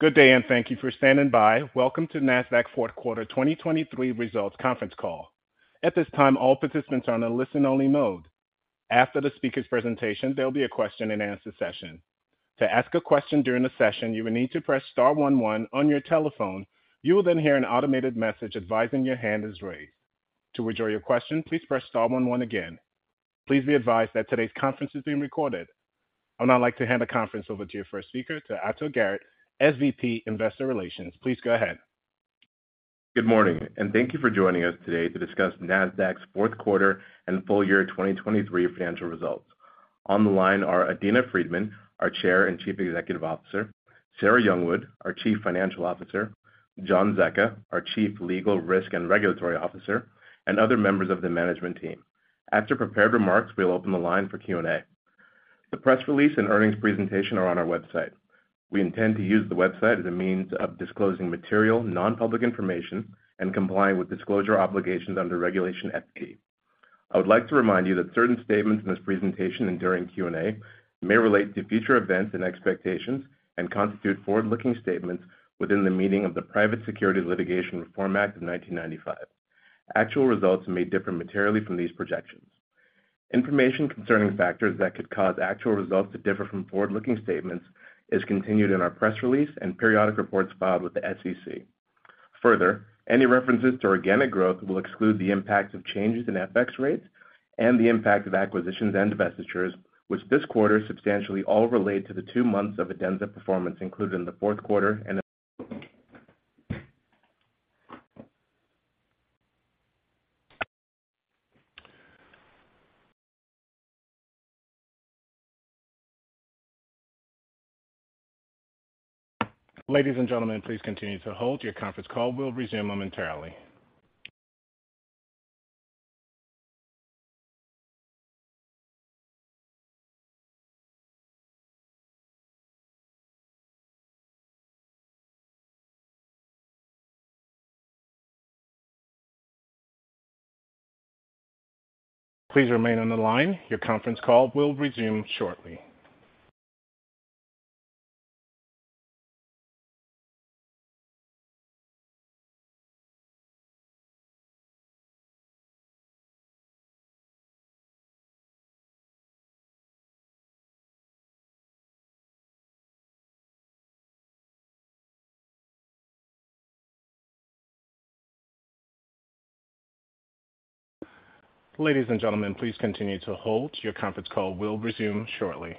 Good day, and thank you for standing by. Welcome to Nasdaq Fourth Quarter 2023 Results Conference Call. At this time, all participants are on a listen-only mode. After the speaker's presentation, there will be a question-and-answer session. To ask a question during the session, you will need to press star one one on your telephone. You will then hear an automated message advising your hand is raised. To withdraw your question, please press star one one again. Please be advised that today's conference is being recorded. I would now like to hand the conference over to your first speaker, to Ato Garrett, SVP, Investor Relations. Please go ahead. Good morning, and thank you for joining us today to discuss Nasdaq's fourth quarter and full year 2023 financial results. On the line are Adena Friedman, our Chair and Chief Executive Officer, Sarah Youngwood, our Chief Financial Officer, John Zecca, our Chief Legal, Risk, and Regulatory Officer, and other members of the management team. After prepared remarks, we'll open the line for Q&A. The press release and earnings presentation are on our website. We intend to use the website as a means of disclosing material, non-public information and complying with disclosure obligations under Regulation FD. I would like to remind you that certain statements in this presentation and during Q&A may relate to future events and expectations and constitute forward-looking statements within the meaning of the Private Securities Litigation Reform Act of 1995. Actual results may differ materially from these projections. Information concerning factors that could cause actual results to differ from forward-looking statements is continued in our press release and periodic reports filed with the SEC. Further, any references to organic growth will exclude the impact of changes in FX rates and the impact of acquisitions and divestitures, which this quarter substantially all relate to the two months of Adenza performance included in the fourth quarter and the- Ladies and gentlemen, please continue to hold. Your conference call will resume momentarily. Please remain on the line. Your conference call will resume shortly. Ladies and gentlemen, please continue to hold. Your conference call will resume shortly. ...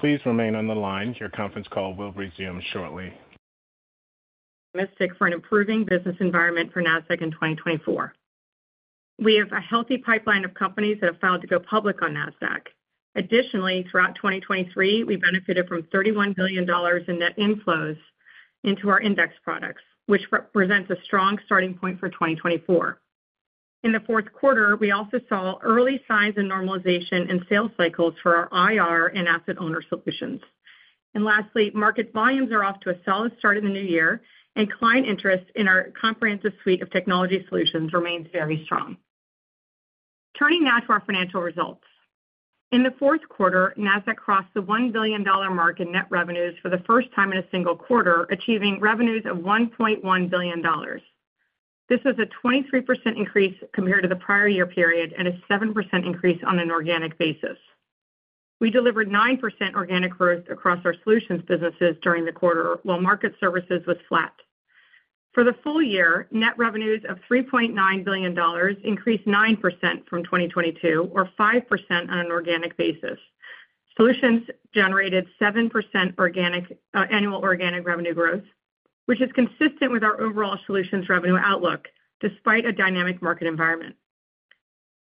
Please remain on the line. Your conference call will resume shortly. For an improving business environment for Nasdaq in 2024. We have a healthy pipeline of companies that have filed to go public on Nasdaq. Additionally, throughout 2023, we benefited from $31 billion in net inflows into our index products, which represents a strong starting point for 2024. In the fourth quarter, we also saw early signs of normalization in sales cycles for our IR and asset owner solutions. Lastly, market volumes are off to a solid start in the new year, and client interest in our comprehensive suite of technology solutions remains very strong. Turning now to our financial results. In the fourth quarter, Nasdaq crossed the $1 billion mark in net revenues for the first time in a single quarter, achieving revenues of $1.1 billion. This was a 23% increase compared to the prior year period and a 7% increase on an organic basis. We delivered 9% organic growth across our solutions businesses during the quarter, while market services was flat. For the full year, net revenues of $3.9 billion increased 9% from 2022, or 5% on an organic basis. Solutions generated 7% organic annual organic revenue growth, which is consistent with our overall solutions revenue outlook, despite a dynamic market environment.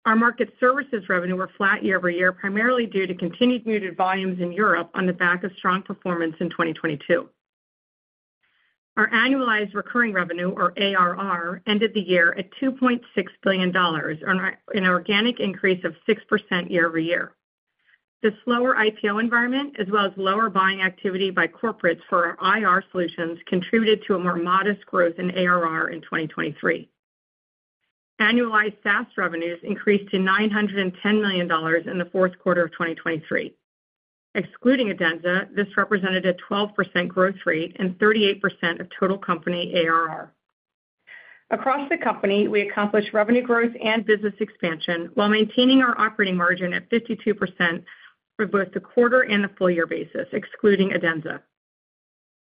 Our market services revenue were flat year over year, primarily due to continued muted volumes in Europe on the back of strong performance in 2022. Our annualized recurring revenue, or ARR, ended the year at $2.6 billion, an organic increase of 6% year over year. The slower IPO environment, as well as lower buying activity by corporates for our IR solutions, contributed to a more modest growth in ARR in 2023. Annualized SaaS revenues increased to $910 million in the fourth quarter of 2023. Excluding Adenza, this represented a 12% growth rate and 38% of total company ARR. Across the company, we accomplished revenue growth and business expansion while maintaining our operating margin at 52% for both the quarter and the full year basis, excluding Adenza.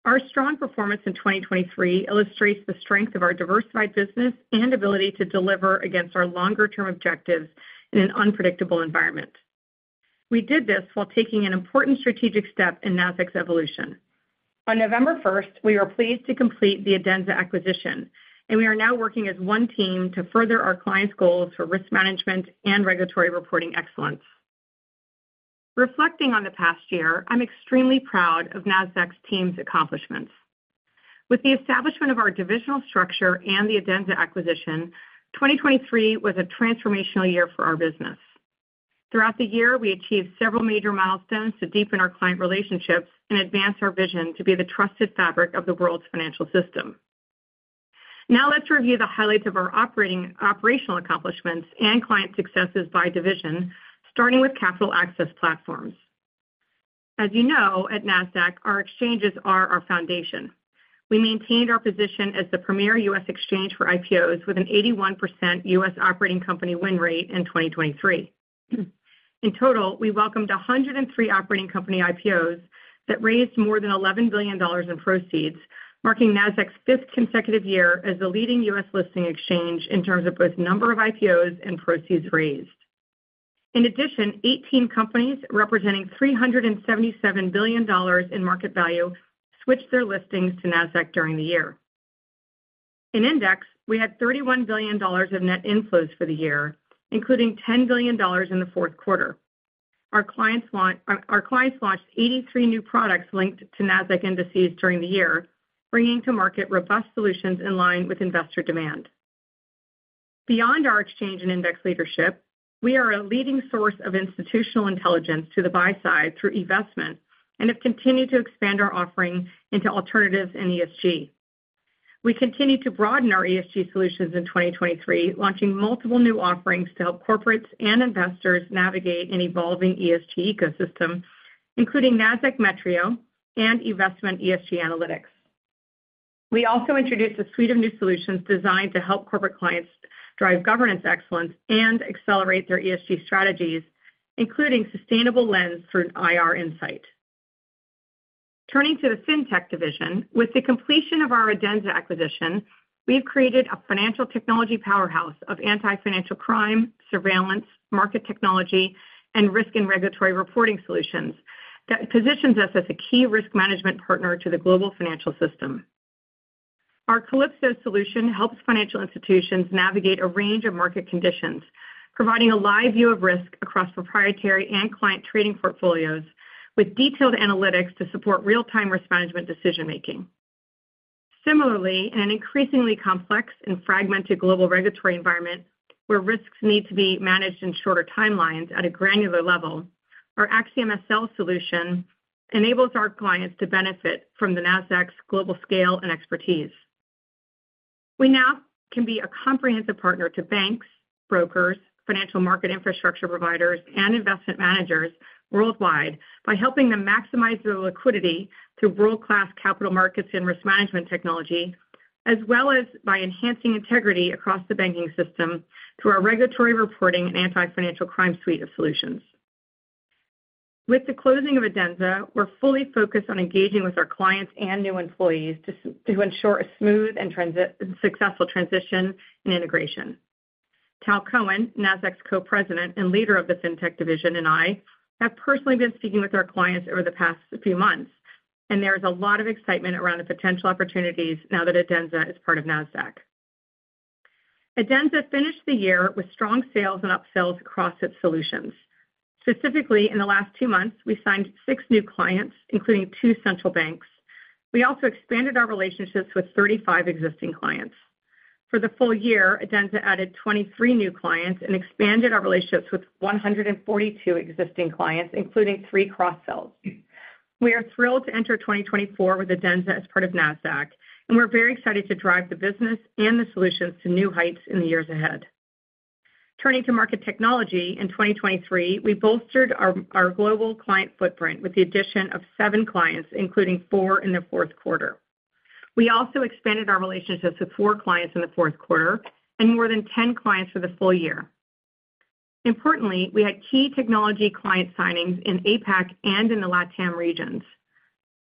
Our strong performance in 2023 illustrates the strength of our diversified business and ability to deliver against our longer-term objectives in an unpredictable environment. We did this while taking an important strategic step in Nasdaq's evolution. On November 1st, we were pleased to complete the Adenza acquisition, and we are now working as one team to further our clients' goals for risk management and regulatory reporting excellence. Reflecting on the past year, I'm extremely proud of Nasdaq's team's accomplishments. With the establishment of our divisional structure and the Adenza acquisition, 2023 was a transformational year for our business. Throughout the year, we achieved several major milestones to deepen our client relationships and advance our vision to be the trusted fabric of the world's financial system. Now let's review the highlights of our operational accomplishments and client successes by division, starting with capital access platforms. As you know, at Nasdaq, our exchanges are our foundation. We maintained our position as the premier U.S. exchange for IPOs with an 81% U.S. operating company win rate in 2023. In total, we welcomed 103 operating company IPOs that raised more than $11 billion in proceeds, marking Nasdaq's fifth consecutive year as the leading U.S. listing exchange in terms of both number of IPOs and proceeds raised. In addition, 18 companies, representing $377 billion in market value, switched their listings to Nasdaq during the year. In Index, we had $31 billion of net inflows for the year, including $10 billion in the fourth quarter. Our clients launched 83 new products linked to Nasdaq indices during the year, bringing to market robust solutions in line with investor demand. Beyond our exchange and index leadership, we are a leading source of institutional intelligence to the buy side through eVestment and have continued to expand our offering into alternatives and ESG. We continued to broaden our ESG solutions in 2023, launching multiple new offerings to help corporates and investors navigate an evolving ESG ecosystem, including Nasdaq Metrio and eVestment ESG Analytics. We also introduced a suite of new solutions designed to help corporate clients drive governance excellence and accelerate their ESG strategies, including Sustainable Lens through IR Insight. Turning to the Fintech division, with the completion of our Adenza acquisition, we've created a financial technology powerhouse of anti-financial crime, surveillance, market technology, and risk and regulatory reporting solutions that positions us as a key risk management partner to the global financial system. Our Calypso solution helps financial institutions navigate a range of market conditions, providing a live view of risk across proprietary and client trading portfolios, with detailed analytics to support real-time risk management decision-making. Similarly, in an increasingly complex and fragmented global regulatory environment, where risks need to be managed in shorter timelines at a granular level, our AxiomSL solution enables our clients to benefit from the Nasdaq's global scale and expertise. We now can be a comprehensive partner to banks, brokers, financial market infrastructure providers, and investment managers worldwide by helping them maximize their liquidity through world-class capital markets and risk management technology, as well as by enhancing integrity across the banking system through our regulatory reporting and anti-financial crime suite of solutions. With the closing of Adenza, we're fully focused on engaging with our clients and new employees to ensure a smooth and successful transition and integration. Tal Cohen, Nasdaq's Co-President and leader of the Fintech division, and I, have personally been speaking with our clients over the past few months, and there is a lot of excitement around the potential opportunities now that Adenza is part of Nasdaq. Adenza finished the year with strong sales and upsells across its solutions. Specifically, in the last two months, we signed six new clients, including two central banks. We also expanded our relationships with 35 existing clients. For the full year, Adenza added 23 new clients and expanded our relationships with 142 existing clients, including three cross-sells. We are thrilled to enter 2024 with Adenza as part of Nasdaq, and we're very excited to drive the business and the solutions to new heights in the years ahead. Turning to market technology, in 2023, we bolstered our global client footprint with the addition of seven clients, including four in the fourth quarter. We also expanded our relationships with four clients in the fourth quarter and more than 10 clients for the full year. Importantly, we had key technology client signings in APAC and in the LATAM regions.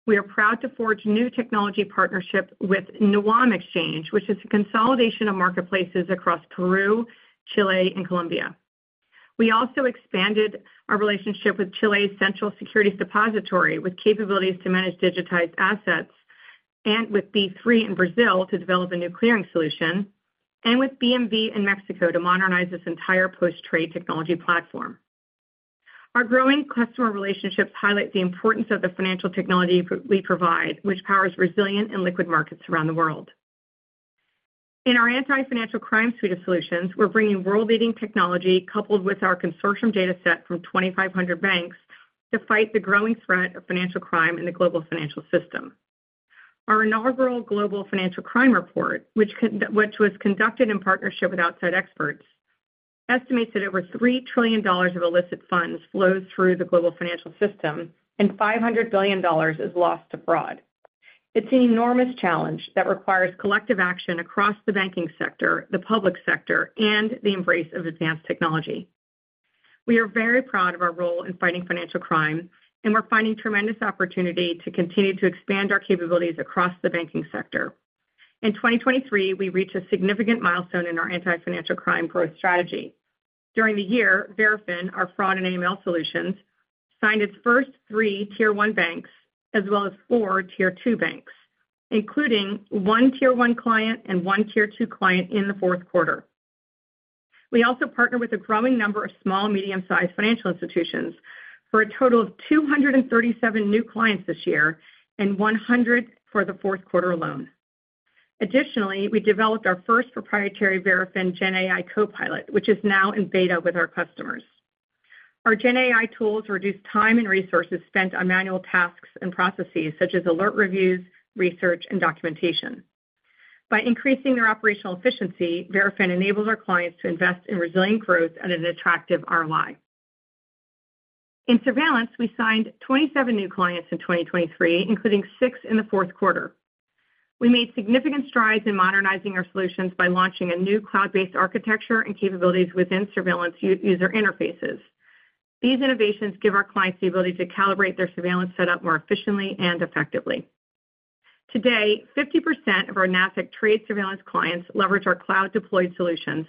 We are proud to forge new technology partnership with NUAM Exchange, which is a consolidation of marketplaces across Peru, Chile, and Colombia. We also expanded our relationship with Chile's Central Securities Depository, with capabilities to manage digitized assets, and with B3 in Brazil to develop a new clearing solution, and with BMV in Mexico to modernize its entire post-trade technology platform. Our growing customer relationships highlight the importance of the financial technology we provide, which powers resilient and liquid markets around the world. In our anti-financial crime suite of solutions, we're bringing world-leading technology, coupled with our consortium dataset from 2,500 banks, to fight the growing threat of financial crime in the global financial system. Our inaugural Global Financial Crime Report, which was conducted in partnership with outside experts, estimates that over $3 trillion of illicit funds flows through the global financial system and $500 billion is lost abroad. It's an enormous challenge that requires collective action across the banking sector, the public sector, and the embrace of advanced technology. We are very proud of our role in fighting financial crime, and we're finding tremendous opportunity to continue to expand our capabilities across the banking sector. In 2023, we reached a significant milestone in our anti-financial crime growth strategy. During the year, Verafin, our fraud and AML solutions, signed its first three Tier 1 banks, as well as four Tier 2 banks, including one Tier 1 client and one Tier 2 client in the fourth quarter. We also partnered with a growing number of small, medium-sized financial institutions for a total of 237 new clients this year and 100 for the fourth quarter alone. Additionally, we developed our first proprietary Verafin GenAI copilot, which is now in beta with our customers. Our GenAI tools reduce time and resources spent on manual tasks and processes, such as alert reviews, research, and documentation. By increasing their operational efficiency, Verafin enables our clients to invest in resilient growth at an attractive ROI. In surveillance, we signed 27 new clients in 2023, including six in the fourth quarter. We made significant strides in modernizing our solutions by launching a new cloud-based architecture and capabilities within surveillance user interfaces. These innovations give our clients the ability to calibrate their surveillance setup more efficiently and effectively. Today, 50% of our Nasdaq trade surveillance clients leverage our cloud-deployed solutions,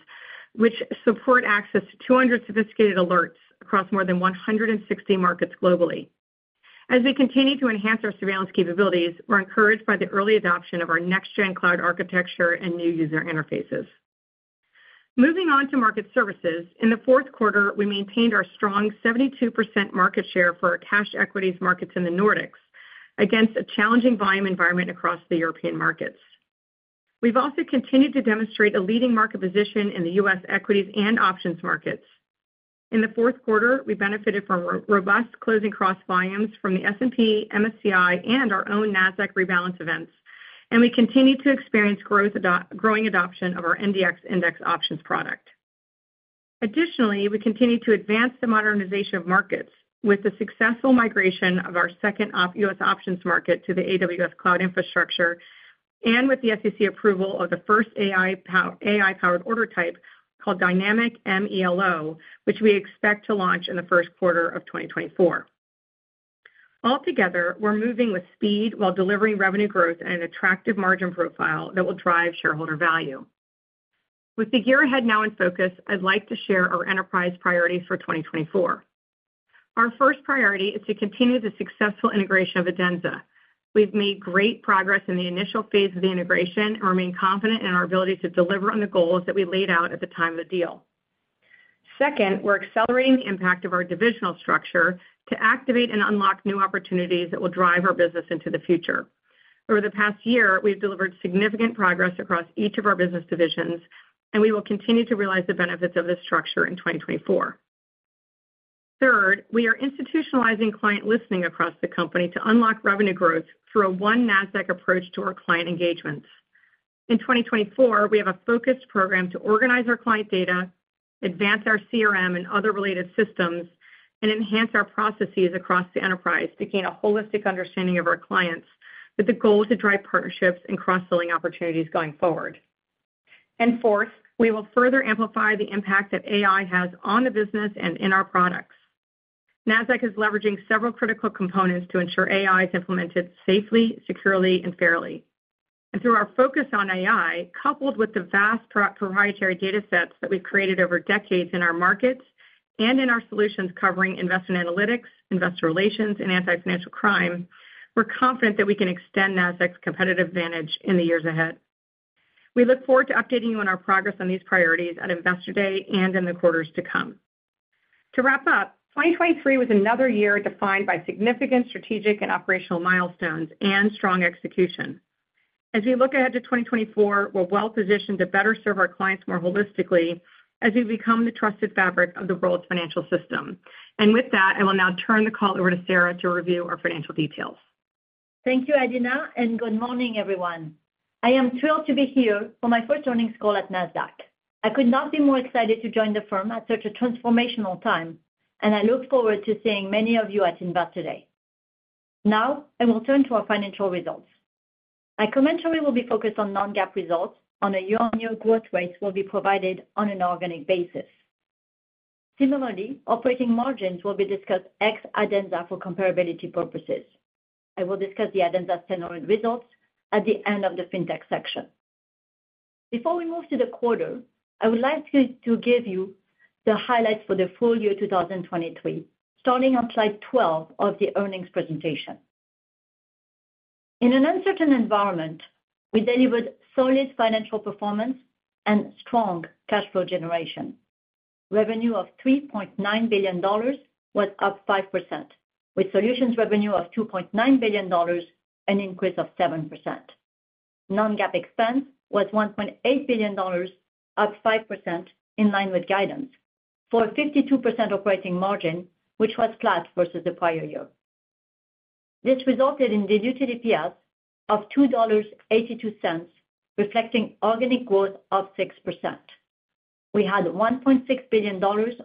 which support access to 200 sophisticated alerts across more than 160 markets globally. As we continue to enhance our surveillance capabilities, we're encouraged by the early adoption of our next-gen cloud architecture and new user interfaces. Moving on to market services. In the fourth quarter, we maintained our strong 72% market share for our cash equities markets in the Nordics, against a challenging volume environment across the European markets. We've also continued to demonstrate a leading market position in the U.S. equities and options markets. In the fourth quarter, we benefited from robust closing cross volumes from the S&P, MSCI, and our own Nasdaq rebalance events, and we continued to experience growing adoption of our NDX index options product. Additionally, we continued to advance the modernization of markets with the successful migration of our second U.S. options market to the AWS cloud infrastructure, and with the SEC approval of the first AI-powered order type, called Dynamic M-ELO, which we expect to launch in the first quarter of 2024. Altogether, we're moving with speed while delivering revenue growth and an attractive margin profile that will drive shareholder value. With the year ahead now in focus, I'd like to share our enterprise priorities for 2024. Our first priority is to continue the successful integration of Adenza. We've made great progress in the initial phase of the integration and remain confident in our ability to deliver on the goals that we laid out at the time of the deal. Second, we're accelerating the impact of our divisional structure to activate and unlock new opportunities that will drive our business into the future. Over the past year, we've delivered significant progress across each of our business divisions, and we will continue to realize the benefits of this structure in 2024. Third, we are institutionalizing client listening across the company to unlock revenue growth through a one Nasdaq approach to our client engagements. In 2024, we have a focused program to organize our client data, advance our CRM and other related systems, and enhance our processes across the enterprise to gain a holistic understanding of our clients, with the goal to drive partnerships and cross-selling opportunities going forward. And fourth, we will further amplify the impact that AI has on the business and in our products. Nasdaq is leveraging several critical components to ensure AI is implemented safely, securely, and fairly. And through our focus on AI, coupled with the vast proprietary datasets that we've created over decades in our markets and in our solutions covering investment analytics, investor relations, and anti-financial crime, we're confident that we can extend Nasdaq's competitive advantage in the years ahead. We look forward to updating you on our progress on these priorities at Investor Day and in the quarters to come. To wrap up, 2023 was another year defined by significant strategic and operational milestones and strong execution. As we look ahead to 2024, we're well positioned to better serve our clients more holistically as we become the trusted fabric of the world's financial system. With that, I will now turn the call over to Sarah to review our financial details. Thank you, Adena, and good morning, everyone. I am thrilled to be here for my first earnings call at Nasdaq. I could not be more excited to join the firm at such a transformational time, and I look forward to seeing many of you at Investor Day. Now I will turn to our financial results. My commentary will be focused on non-GAAP results, and the year-on-year growth rates will be provided on an organic basis. Similarly, operating margins will be discussed ex Adenza for comparability purposes. I will discuss the Adenza standalone results at the end of the Fintech section. Before we move to the quarter, I would like to give you the highlights for the full year 2023, starting on slide 12 of the earnings presentation. In an uncertain environment, we delivered solid financial performance and strong cash flow generation. Revenue of $3.9 billion was up 5%, with solutions revenue of $2.9 billion, an increase of 7%. Non-GAAP expense was $1.8 billion, up 5%, in line with guidance, for a 52% operating margin, which was flat versus the prior year. This resulted in diluted EPS of $2.82, reflecting organic growth of 6%. We had $1.6 billion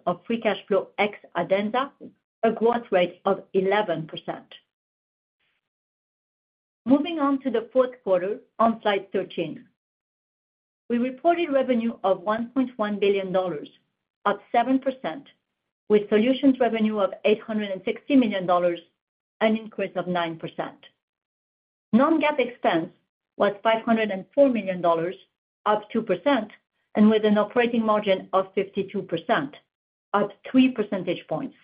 of free cash flow ex Adenza, a growth rate of 11%. Moving on to the fourth quarter on slide 13. We reported revenue of $1.1 billion, up 7%, with solutions revenue of $860 million, an increase of 9%. Non-GAAP expense was $504 million, up 2%, and with an operating margin of 52%, up three percentage points.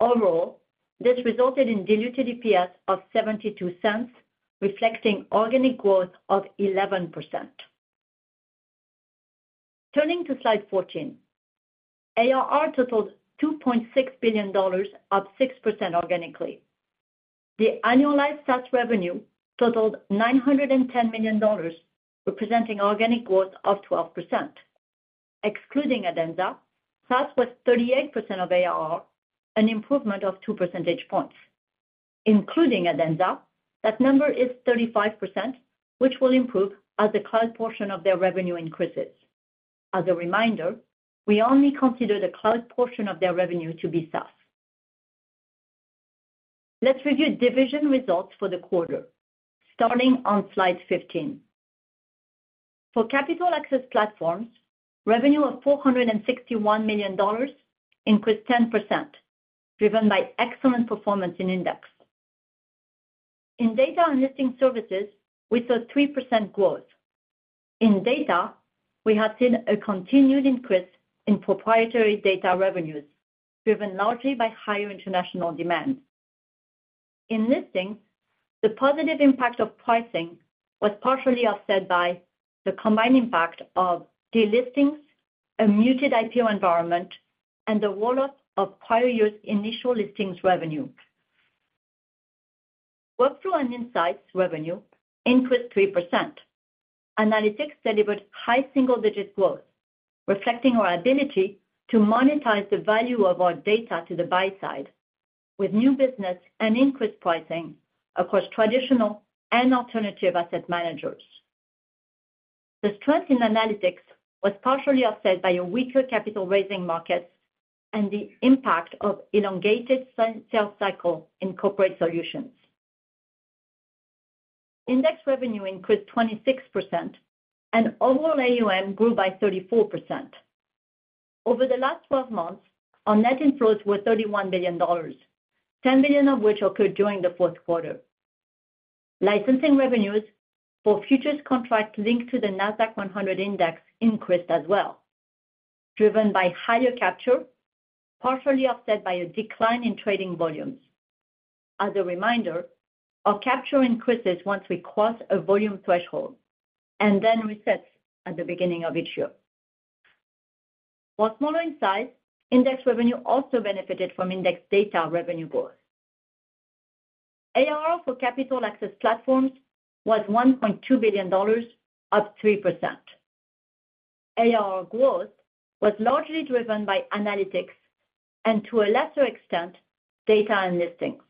Overall, this resulted in diluted EPS of $0.72, reflecting organic growth of 11%. Turning to slide 14, ARR totaled $2.6 billion, up 6% organically. The annualized SaaS revenue totaled $910 million, representing organic growth of 12%. Excluding Adenza, SaaS was 38% of ARR, an improvement of two percentage points. Including Adenza, that number is 35%, which will improve as the cloud portion of their revenue increases. As a reminder, we only consider the cloud portion of their revenue to be SaaS. Let's review division results for the quarter, starting on slide 15. For capital access platforms, revenue of $461 million increased 10%, driven by excellent performance in index. In data and listing services, we saw 3% growth. In data, we have seen a continued increase in proprietary data revenues, driven largely by higher international demand. In listings, the positive impact of pricing was partially offset by the combined impact of delistings, a muted IPO environment, and the roll-off of prior year's initial listings revenue. Workflow and Insights revenue increased 3%. Analytics delivered high single-digit growth, reflecting our ability to monetize the value of our data to the buy side, with new business and increased pricing across traditional and alternative asset managers. The strength in analytics was partially offset by a weaker capital raising market and the impact of elongated sales cycle in corporate solutions. Index revenue increased 26%, and overall AUM grew by 34%. Over the last 12 months, our net inflows were $31 billion, $10 billion of which occurred during the fourth quarter. Licensing revenues for futures contracts linked to the Nasdaq 100 index increased as well, driven by higher capture, partially offset by a decline in trading volumes. As a reminder, our capture increases once we cross a volume threshold, and then resets at the beginning of each year. While smaller in size, index revenue also benefited from index data revenue growth. ARR for capital access platforms was $1.2 billion, up 3%. ARR growth was largely driven by analytics and to a lesser extent, data and listings.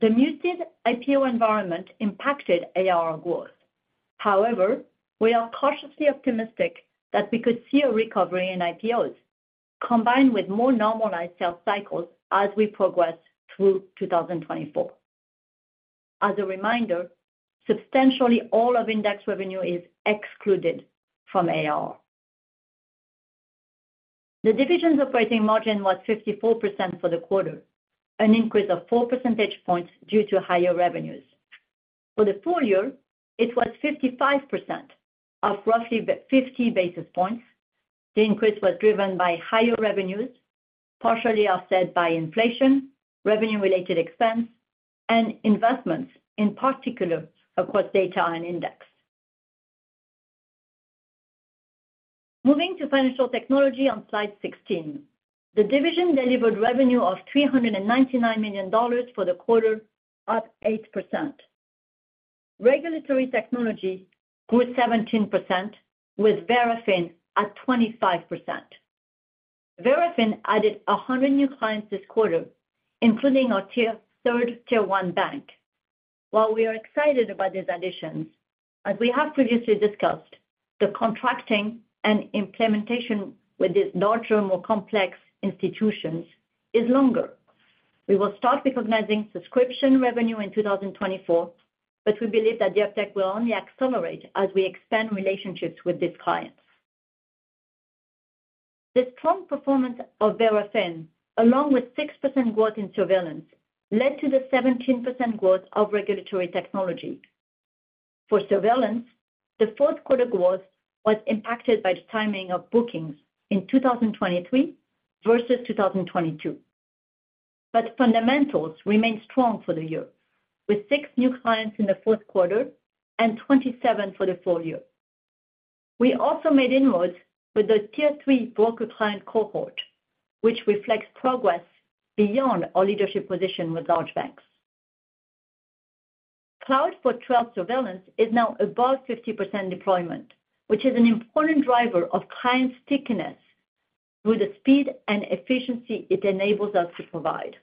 The muted IPO environment impacted ARR growth. However, we are cautiously optimistic that we could see a recovery in IPOs, combined with more normalized sales cycles as we progress through 2024. As a reminder, substantially all of index revenue is excluded from ARR. The division's operating margin was 54% for the quarter, an increase of four percentage points due to higher revenues. For the full year, it was 55%, up roughly 50 basis points. The increase was driven by higher revenues, partially offset by inflation, revenue-related expense, and investments, in particular, across data and index. Moving to financial technology on slide 16. The division delivered revenue of $399 million for the quarter, up 8%. Regulatory technology grew 17%, with Verafin at 25%. Verafin added 100 new clients this quarter, including our third Tier 1 bank. While we are excited about these additions, as we have previously discussed, the contracting and implementation with these larger, more complex institutions is longer. We will start recognizing subscription revenue in 2024, but we believe that the uptake will only accelerate as we expand relationships with these clients. The strong performance of Verafin, along with 6% growth in surveillance, led to the 17% growth of regulatory technology. For surveillance, the fourth quarter growth was impacted by the timing of bookings in 2023 versus 2022. But fundamentals remain strong for the year, with six new clients in the fourth quarter and 27 for the full year. We also made inroads with the Tier three broker client cohort, which reflects progress beyond our leadership position with large banks. Cloud for trade surveillance is now above 50% deployment, which is an important driver of client stickiness through the speed and efficiency it enables us to provide.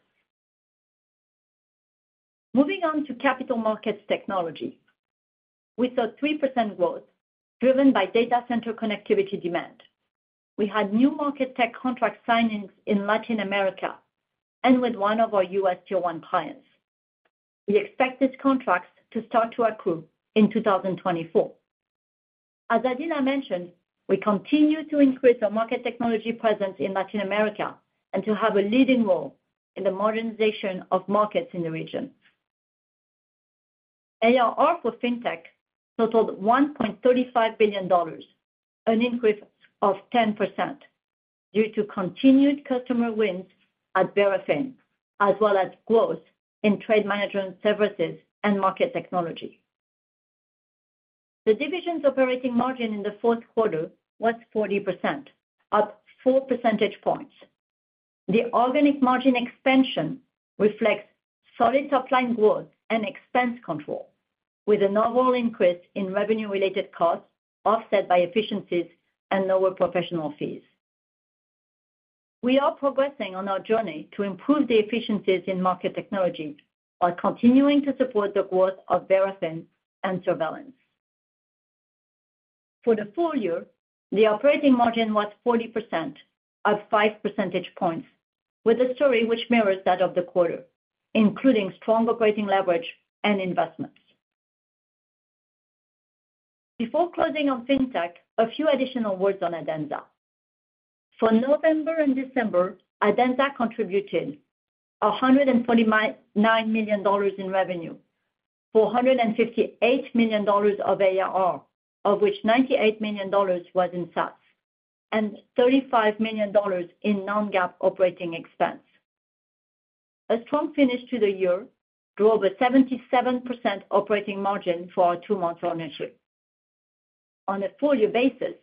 Moving on to capital markets technology. We saw 3% growth driven by data center connectivity demand. We had new market tech contract signings in Latin America and with one of our U.S. Tier 1 clients.... We expect these contracts to start to accrue in 2024. As Adena mentioned, we continue to increase our market technology presence in Latin America, and to have a leading role in the modernization of markets in the region. ARR for Fintech totaled $1.35 billion, an increase of 10% due to continued customer wins at Verafin, as well as growth in trade management services and market technology. The division's operating margin in the fourth quarter was 40%, up four percentage points. The organic margin expansion reflects solid top-line growth and expense control, with an overall increase in revenue-related costs, offset by efficiencies and lower professional fees. We are progressing on our journey to improve the efficiencies in market technology by continuing to support the growth of Verafin and surveillance. For the full year, the operating margin was 40%, up five percentage points, with a story which mirrors that of the quarter, including strong operating leverage and investments. Before closing on Fintech, a few additional words on Adenza. For November and December, Adenza contributed $149 million in revenue, $458 million of ARR, of which $98 million was in SaaS, and $35 million in non-GAAP operating expense. A strong finish to the year drove a 77% operating margin for our two-month ownership. On a full year basis,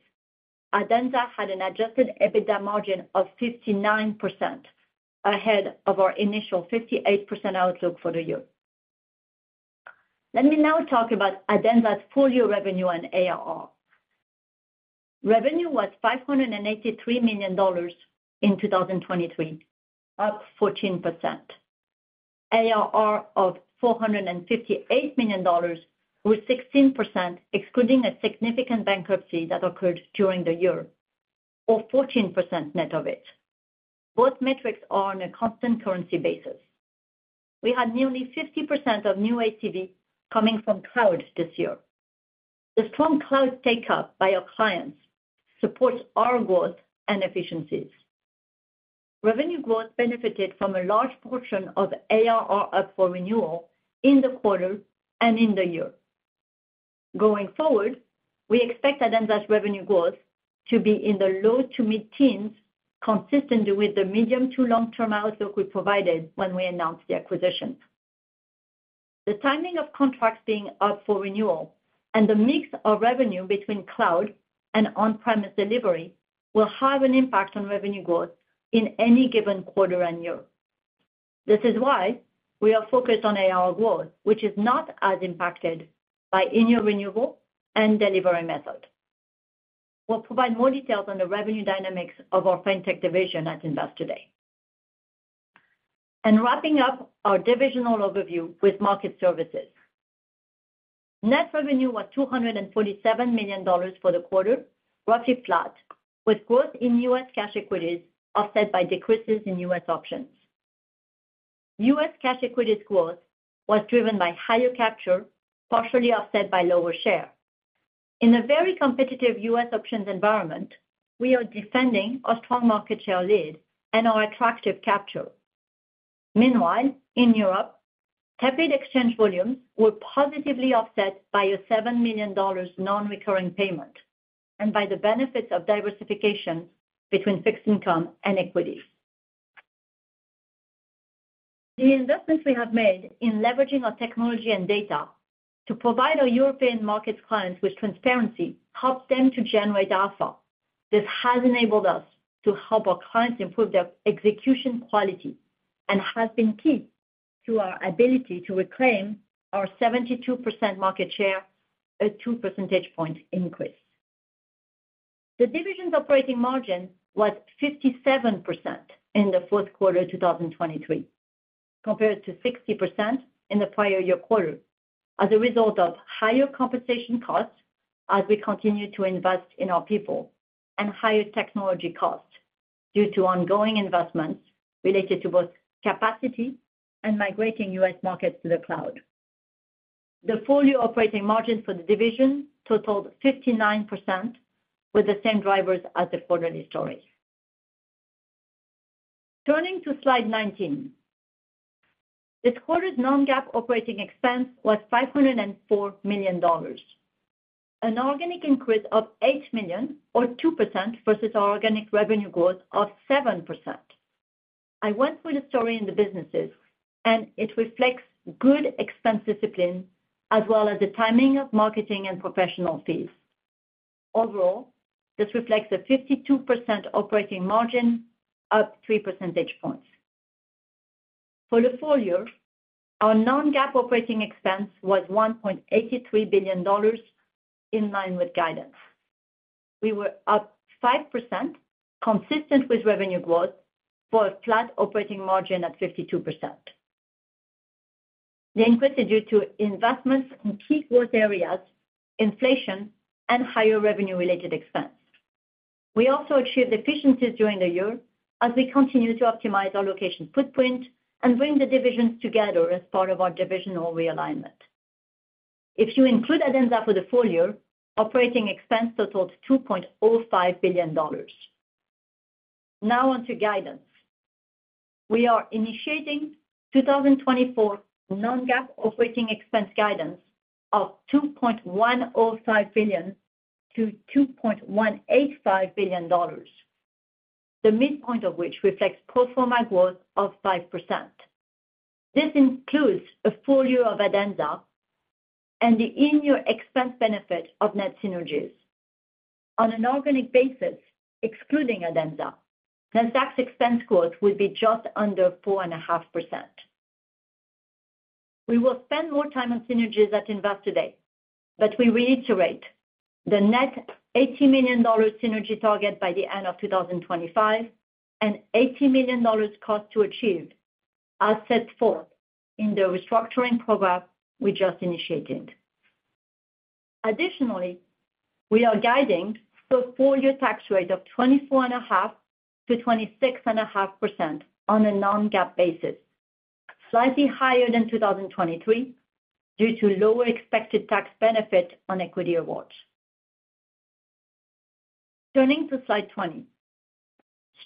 Adenza had an adjusted EBITDA margin of 59%, ahead of our initial 58% outlook for the year. Let me now talk about Adenza's full year revenue and ARR. Revenue was $583 million in 2023, up 14%. ARR of $458 million, with 16%, excluding a significant bankruptcy that occurred during the year, or 14% net of it. Both metrics are on a constant currency basis. We had nearly 50% of new ACV coming from cloud this year. The strong cloud take-up by our clients supports our growth and efficiencies. Revenue growth benefited from a large portion of ARR up for renewal in the quarter and in the year. Going forward, we expect Adenza's revenue growth to be in the low to mid-teens, consistent with the medium to long-term outlook we provided when we announced the acquisition. The timing of contracts being up for renewal and the mix of revenue between cloud and on-premise delivery will have an impact on revenue growth in any given quarter and year. This is why we are focused on ARR growth, which is not as impacted by annual renewal and delivery method. We'll provide more details on the revenue dynamics of our Fintech division at Investor Day. Wrapping up our divisional overview with market services. Net revenue was $247 million for the quarter, roughly flat, with growth in U.S. cash equities offset by decreases in U.S. options. U.S. cash equities growth was driven by higher capture, partially offset by lower share. In a very competitive U.S. options environment, we are defending our strong market share lead and our attractive capture. Meanwhile, in Europe, tepid exchange volumes were positively offset by a $7 million non-recurring payment, and by the benefits of diversification between fixed income and equity. The investments we have made in leveraging our technology and data to provide our European markets clients with transparency, helped them to generate alpha. This has enabled us to help our clients improve their execution quality, and has been key to our ability to reclaim our 72% market share, a two percentage point increase. The division's operating margin was 57% in the fourth quarter of 2023, compared to 60% in the prior year quarter, as a result of higher compensation costs as we continue to invest in our people, and higher technology costs due to ongoing investments related to both capacity and migrating U.S. markets to the cloud. The full-year operating margin for the division totaled 59%, with the same drivers as the quarterly story. Turning to slide 19. This quarter's non-GAAP operating expense was $504 million, an organic increase of $8 million or 2% versus our organic revenue growth of 7%. I went through the story in the businesses, and it reflects good expense discipline, as well as the timing of marketing and professional fees. Overall, this reflects a 52% operating margin, up three percentage points. For the full year, our non-GAAP operating expense was $1.83 billion, in line with guidance. We were up 5%, consistent with revenue growth, for a flat operating margin at 52%. The increase is due to investments in key growth areas, inflation, and higher revenue-related expense. We also achieved efficiencies during the year as we continued to optimize our location footprint and bring the divisions together as part of our divisional realignment. If you include Adenza for the full year, operating expense totaled $2.05 billion. Now on to guidance. We are initiating 2024 non-GAAP operating expense guidance of $2.105 billion-$2.185 billion, the midpoint of which reflects pro forma growth of 5%. This includes a full year of Adenza and the in-year expense benefit of net synergies. On an organic basis, excluding Adenza, Nasdaq's expense growth will be just under 4.5%. We will spend more time on synergies at Investor Day, but we reiterate the net $80 million synergy target by the end of 2025, and $80 million cost to achieve, as set forth in the restructuring program we just initiated. Additionally, we are guiding for a full-year tax rate of 24.5%-26.5% on a non-GAAP basis, slightly higher than 2023 due to lower expected tax benefit on equity awards. Turning to slide 20.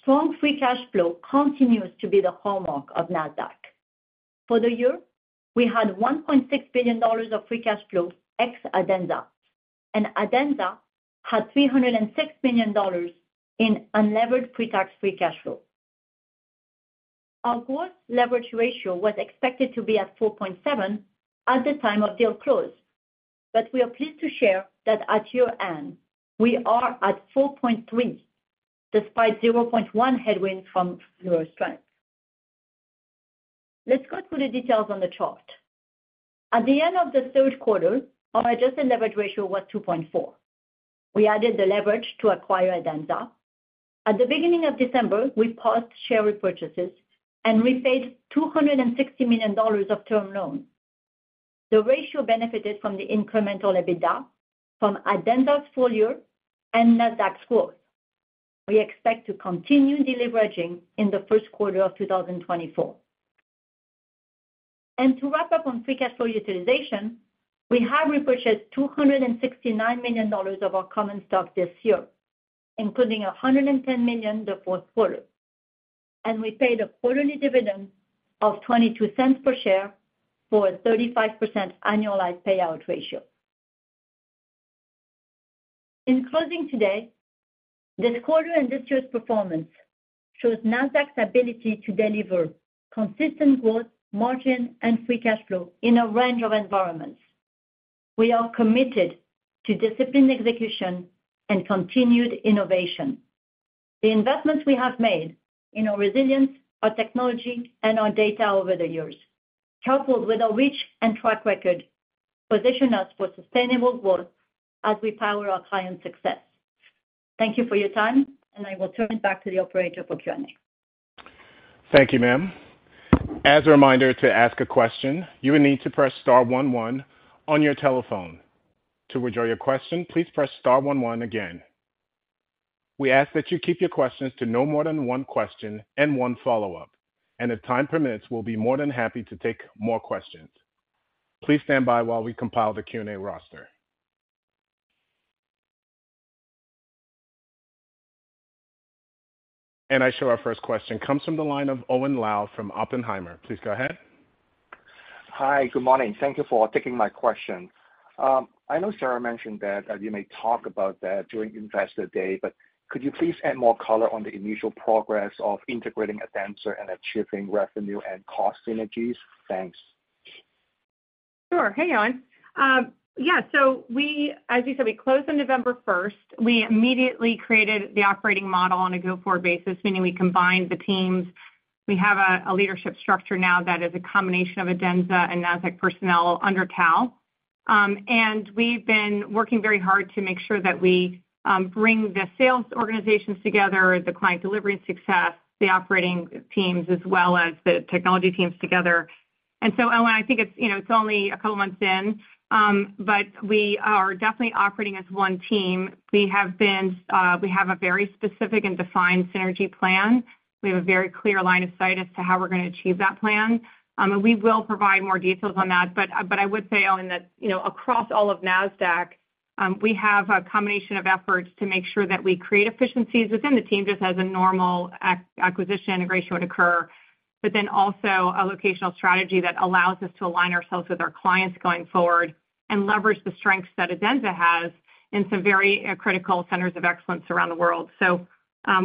Strong free cash flow continues to be the hallmark of Nasdaq. For the year, we had $1.6 billion of free cash flow ex Adenza, and Adenza had $306 million in unlevered pretax free cash flow. Our gross leverage ratio was expected to be at 4.7 at the time of deal close, but we are pleased to share that at year-end, we are at 4.3, despite 0.1 headwind from euro strength. Let's go through the details on the chart. At the end of the third quarter, our adjusted leverage ratio was 2.4. We added the leverage to acquire Adenza. At the beginning of December, we paused share repurchases and repaid $260 million of term loans. The ratio benefited from the incremental EBITDA from Adenza's full year and Nasdaq's growth. We expect to continue deleveraging in the first quarter of 2024. To wrap up on free cash flow utilization, we have repurchased $269 million of our common stock this year, including $110 million in the fourth quarter, and we paid a quarterly dividend of $0.22 per share for a 35% annualized payout ratio. In closing today, this quarter and this year's performance shows Nasdaq's ability to deliver consistent growth, margin, and free cash flow in a range of environments. We are committed to disciplined execution and continued innovation. The investments we have made in our resilience, our technology, and our data over the years, coupled with our reach and track record, position us for sustainable growth as we power our clients' success. Thank you for your time, and I will turn it back to the operator for Q&A. Thank you, ma'am. As a reminder, to ask a question, you will need to press star one one on your telephone. To withdraw your question, please press star one one again. We ask that you keep your questions to no more than one question and one follow-up, and if time permits, we'll be more than happy to take more questions. Please stand by while we compile the Q&A roster. I show our first question comes from the line of Owen Lau from Oppenheimer. Please go ahead. Hi, good morning. Thank you for taking my question. I know Sarah mentioned that, you may talk about that during Investor Day, but could you please add more color on the initial progress of integrating Adenza and achieving revenue and cost synergies? Thanks. Sure. Hey, Owen. Yeah, so we, as you said, we closed on November first. We immediately created the operating model on a go-forward basis, meaning we combined the teams. We have a leadership structure now that is a combination of Adenza and Nasdaq personnel under Tal. And we've been working very hard to make sure that we bring the sales organizations together, the client delivery and success, the operating teams, as well as the technology teams together. So, Owen, I think it's, you know, it's only a couple months in, but we are definitely operating as one team. We have been. We have a very specific and defined synergy plan. We have a very clear line of sight as to how we're gonna achieve that plan. And we will provide more details on that, but I would say, Owen, that you know, across all of Nasdaq, we have a combination of efforts to make sure that we create efficiencies within the team, just as a normal acquisition integration would occur, but then also a locational strategy that allows us to align ourselves with our clients going forward and leverage the strengths that Adenza has in some very critical centers of excellence around the world. So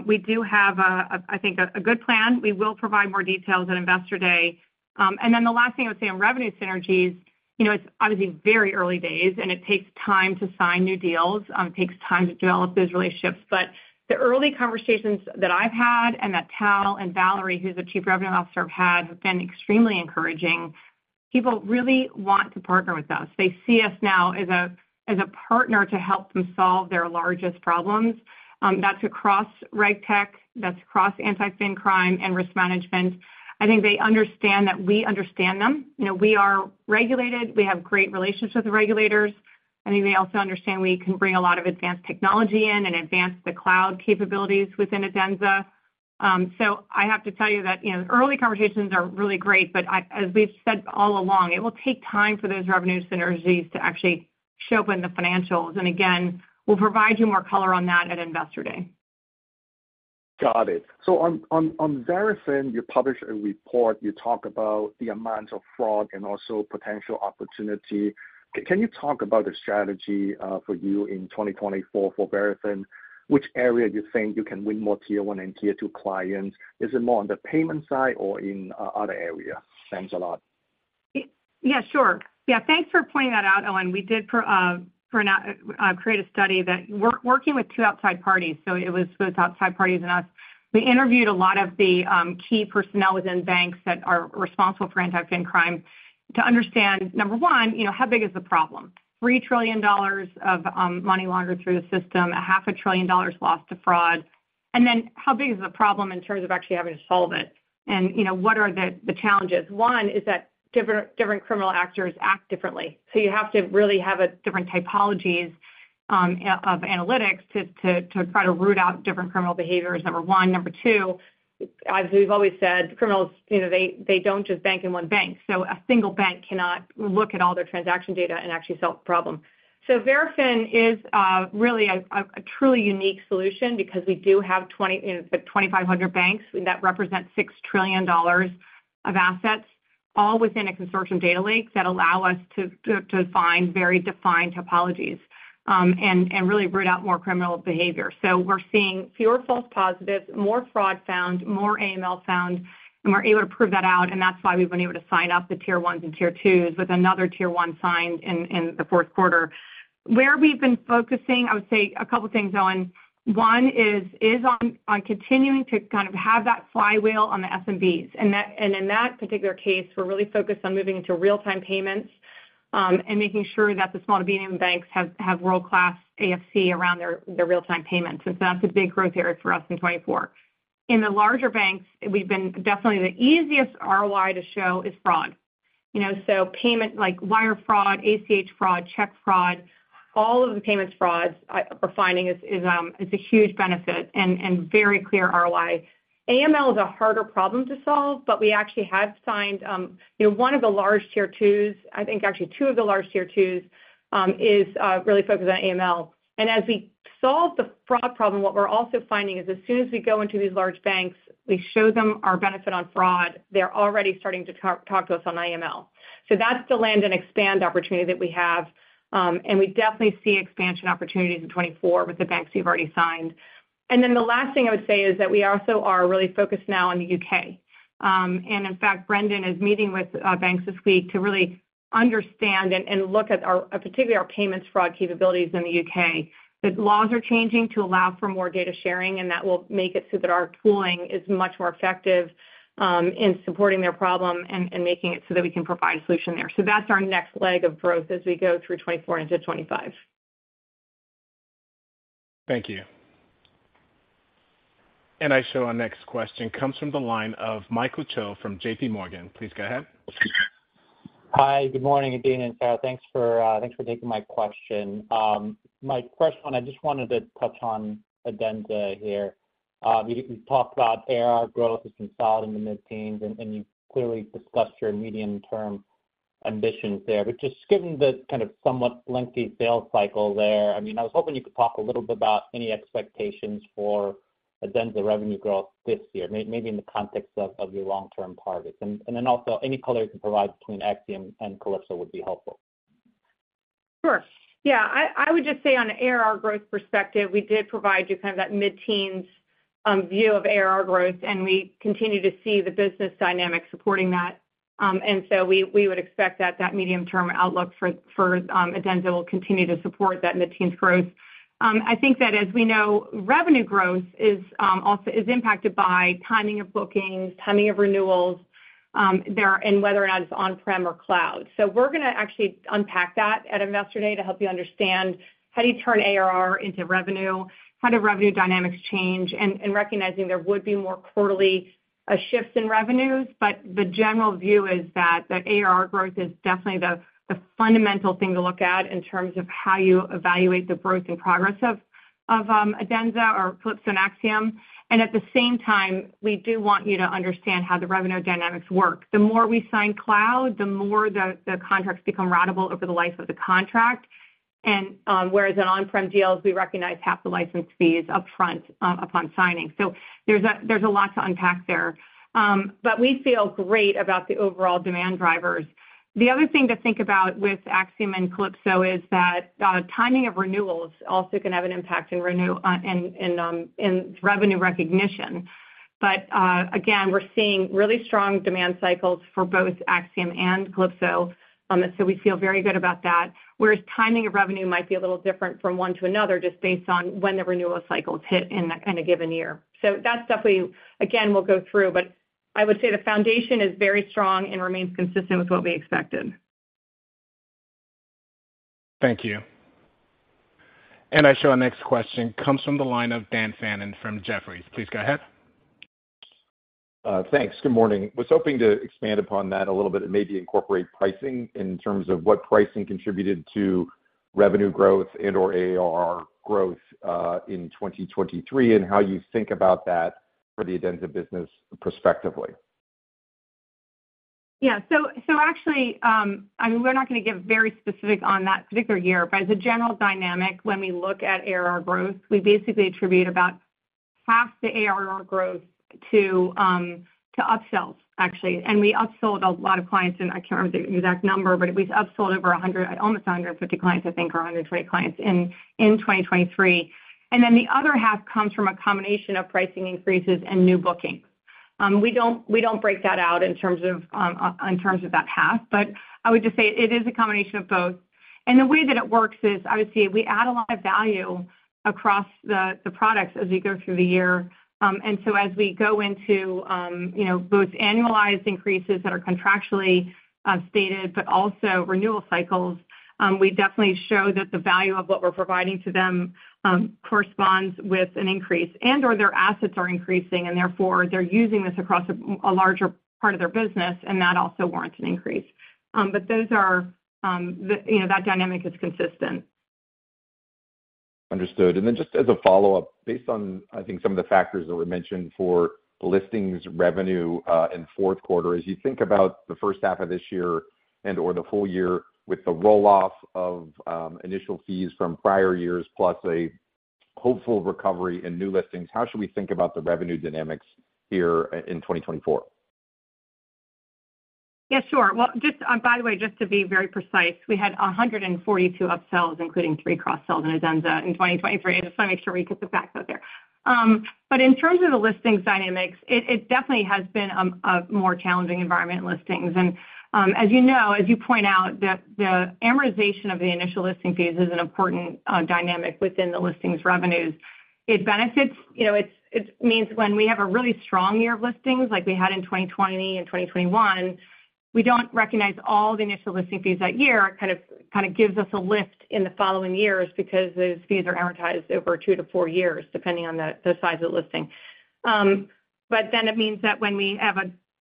we do have, I think, a good plan. We will provide more details at Investor Day. And then the last thing I would say on revenue synergies, you know, it's obviously very early days, and it takes time to sign new deals, it takes time to develop those relationships. But the early conversations that I've had and that Tal and Valerie, who's the Chief Revenue Officer, have had, have been extremely encouraging. People really want to partner with us. They see us now as a, as a partner to help them solve their largest problems. That's across RegTech, that's across anti-fin crime, and risk management. I think they understand that we understand them. You know, we are regulated. We have great relationships with the regulators. I think they also understand we can bring a lot of advanced technology in and advance the cloud capabilities within Adenza. So I have to tell you that, you know, early conversations are really great, but as we've said all along, it will take time for those revenue synergies to actually show up in the financials. And again, we'll provide you more color on that at Investor Day. Got it. So on Verafin, you published a report, you talk about the amount of fraud and also potential opportunity. Can you talk about the strategy for you in 2024 for Verafin? Which area you think you can win more Tier 1 and Tier 2 clients? Is it more on the payment side or in other areas? Thanks a lot. Yeah, sure. Yeah, thanks for pointing that out, Owen. We did create a study that, working with two outside parties, so it was those outside parties and us. We interviewed a lot of the key personnel within banks that are responsible for anti-financial crime to understand, number one, you know, how big is the problem? $3 trillion of money laundered through the system, $0.5 trillion lost to fraud. And then how big is the problem in terms of actually having to solve it? And, you know, what are the challenges? One is that different criminal actors act differently, so you have to really have different typologies of analytics to try to root out different criminal behaviors, number one. Number two, as we've always said, criminals, you know, they, they don't just bank in one bank, so a single bank cannot look at all their transaction data and actually solve the problem. So Verafin is really a truly unique solution because we do have twenty, you know, like, 2,500 banks, and that represents $6 trillion of assets, all within a consortium data lake that allow us to find very defined topologies and really root out more criminal behavior. So we're seeing fewer false positives, more fraud found, more AML found, and we're able to prove that out, and that's why we've been able to sign up the Tier 1s and Tier 2s, with another Tier 1 signed in the fourth quarter. Where we've been focusing, I would say a couple things, Owen. One is on continuing to kind of have that flywheel on the SMBs, and that—and in that particular case, we're really focused on moving into real-time payments, and making sure that the small to medium banks have world-class AFC around their real-time payments. So that's a big growth area for us in 2024. In the larger banks, we've been... Definitely, the easiest ROI to show is fraud. You know, so payment like wire fraud, ACH fraud, check fraud, all of the payments frauds, we're finding is a huge benefit and very clear ROI. AML is a harder problem to solve, but we actually have signed, you know, one of the large Tier 2s, I think actually two of the large Tier 2s, is really focused on AML. As we solve the fraud problem, what we're also finding is as soon as we go into these large banks, we show them our benefit on fraud, they're already starting to talk to us on AML. So that's the land and expand opportunity that we have, and we definitely see expansion opportunities in 2024 with the banks we've already signed. Then the last thing I would say is that we also are really focused now on the U.K.. And in fact, Brendan is meeting with banks this week to really understand and look at our particularly our payments fraud capabilities in the U.K.. The laws are changing to allow for more data sharing, and that will make it so that our tooling is much more effective in supporting their problem and making it so that we can provide a solution there. So that's our next leg of growth as we go through 2024 into 2025. Thank you. And I show our next question comes from the line of Michael Cho from JP Morgan. Please go ahead. Hi, good morning, Adena and Sarah. Thanks for taking my question. My first one, I just wanted to touch on Adenza here. You talked about ARR growth has been solid in the mid-teens, and you clearly discussed your medium-term ambitions there. But just given the kind of somewhat lengthy sales cycle there, I mean, I was hoping you could talk a little bit about any expectations for Adenza revenue growth this year, maybe in the context of your long-term targets. And then also any color you can provide between AxiomSL and Calypso would be helpful. Sure. Yeah, I, I would just say on the ARR growth perspective, we did provide you kind of that mid-teens view of ARR growth, and we continue to see the business dynamics supporting that. And so we would expect that medium-term outlook for Adenza will continue to support that mid-teens growth. I think that as we know, revenue growth is also impacted by timing of bookings, timing of renewals, and whether or not it's on-prem or cloud. So we're gonna actually unpack that at Investor Day to help you understand how do you turn ARR into revenue, how do revenue dynamics change, and recognizing there would be more quarterly shifts in revenues. But the general view is that that ARR growth is definitely the, the fundamental thing to look at in terms of how you evaluate the growth and progress of, of, Adenza or Calypso and AxiomSL. And at the same time, we do want you to understand how the revenue dynamics work. The more we sign cloud, the more the, the contracts become ratable over the life of the contract, and, whereas in on-prem deals, we recognize half the license fees upfront, upon signing. So there's a, there's a lot to unpack there. But we feel great about the overall demand drivers. The other thing to think about with AxiomSL and Calypso is that, timing of renewals also can have an impact in renew, in, in, in revenue recognition. But, again, we're seeing really strong demand cycles for both Axiom and Calypso, so we feel very good about that. Whereas timing of revenue might be a little different from one to another, just based on when the renewal cycles hit in that kind of given year. So that's definitely... Again, we'll go through, but I would say the foundation is very strong and remains consistent with what we expected. Thank you. And I show our next question comes from the line of Dan Fannon from Jefferies. Please go ahead. Thanks. Good morning. Was hoping to expand upon that a little bit and maybe incorporate pricing in terms of what pricing contributed to revenue growth and/or ARR growth in 2023, and how you think about that for the Adenza business prospectively? Yeah. So, actually, I mean, we're not gonna get very specific on that particular year, but as a general dynamic, when we look at ARR growth, we basically attribute about half the ARR growth to upsells, actually. And we upsold a lot of clients, and I can't remember the exact number, but we've upsold over 100, almost 150 clients, I think, or 120 clients in 2023. And then the other half comes from a combination of pricing increases and new bookings. We don't break that out in terms of on terms of that half, but I would just say it is a combination of both. And the way that it works is, obviously, we add a lot of value across the products as we go through the year. And so as we go into, you know, both annualized increases that are contractually stated, but also renewal cycles, we definitely show that the value of what we're providing to them corresponds with an increase, and/or their assets are increasing, and therefore, they're using this across a larger part of their business, and that also warrants an increase. But those are the, you know, that dynamic is consistent. Understood. And then just as a follow-up, based on, I think, some of the factors that were mentioned for listings revenue in fourth quarter, as you think about the first half of this year and/or the full year with the roll-off of initial fees from prior years, plus a hopeful recovery in new listings, how should we think about the revenue dynamics here in 2024? Yeah, sure. Well, just by the way, just to be very precise, we had 142 upsells, including three cross-sells in Adenza in 2023. I just want to make sure we get the facts out there. But in terms of the listings dynamics, it definitely has been a more challenging environment in listings. And, as you know, as you point out, the amortization of the initial listing fees is an important dynamic within the listings revenues. It benefits- you know, it means when we have a really strong year of listings, like we had in 2020 and 2021, we don't recognize all the initial listing fees that year. It kind of gives us a lift in the following years because those fees are amortized over two-four years, depending on the size of the listing. But then it means that when we have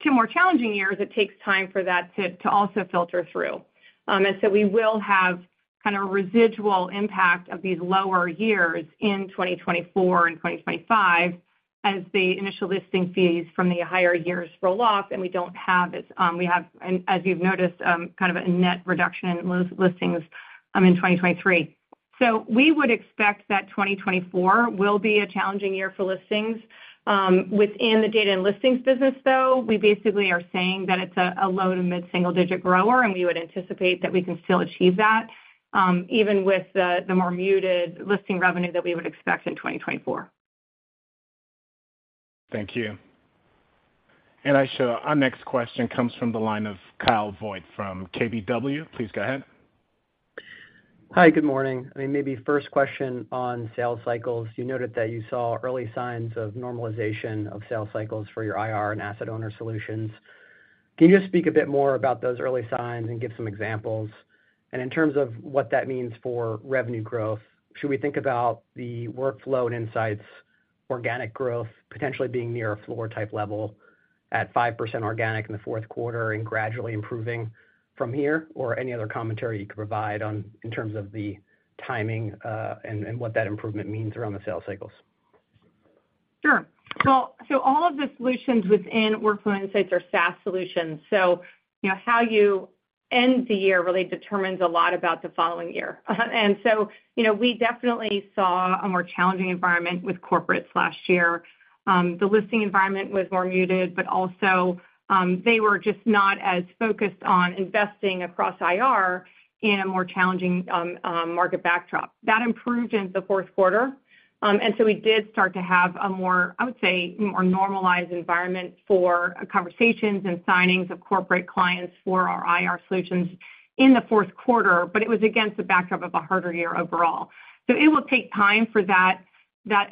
two more challenging years, it takes time for that to also filter through. And so we will have kind of residual impact of these lower years in 2024 and 2025, as the initial listing fees from the higher years roll off, and we don't have as, we have, and as you've noticed, kind of a net reduction in listings in 2023. So we would expect that 2024 will be a challenging year for listings. Within the data and listings business, though, we basically are saying that it's a low to mid-single digit grower, and we would anticipate that we can still achieve that, even with the more muted listing revenue that we would expect in 2024. Thank you. Aisha, our next question comes from the line of Kyle Voigt from KBW. Please go ahead. Hi, good morning. I mean, maybe first question on sales cycles. You noted that you saw early signs of normalization of sales cycles for your IR and asset owner solutions. Can you just speak a bit more about those early signs and give some examples? And in terms of what that means for revenue growth, should we think about the workflow and insights, organic growth, potentially being near a floor-type level at 5% organic in the fourth quarter and gradually improving from here, or any other commentary you could provide on, in terms of the timing, and what that improvement means around the sales cycles? Sure. So all of the solutions within workflow insights are SaaS solutions. So you know, how you end the year really determines a lot about the following year. And so, you know, we definitely saw a more challenging environment with corporates last year. The listing environment was more muted, but also, they were just not as focused on investing across IR in a more challenging market backdrop. That improved in the fourth quarter, and so we did start to have a more, I would say, more normalized environment for conversations and signings of corporate clients for our IR solutions in the fourth quarter, but it was against the backdrop of a harder year overall. So it will take time for that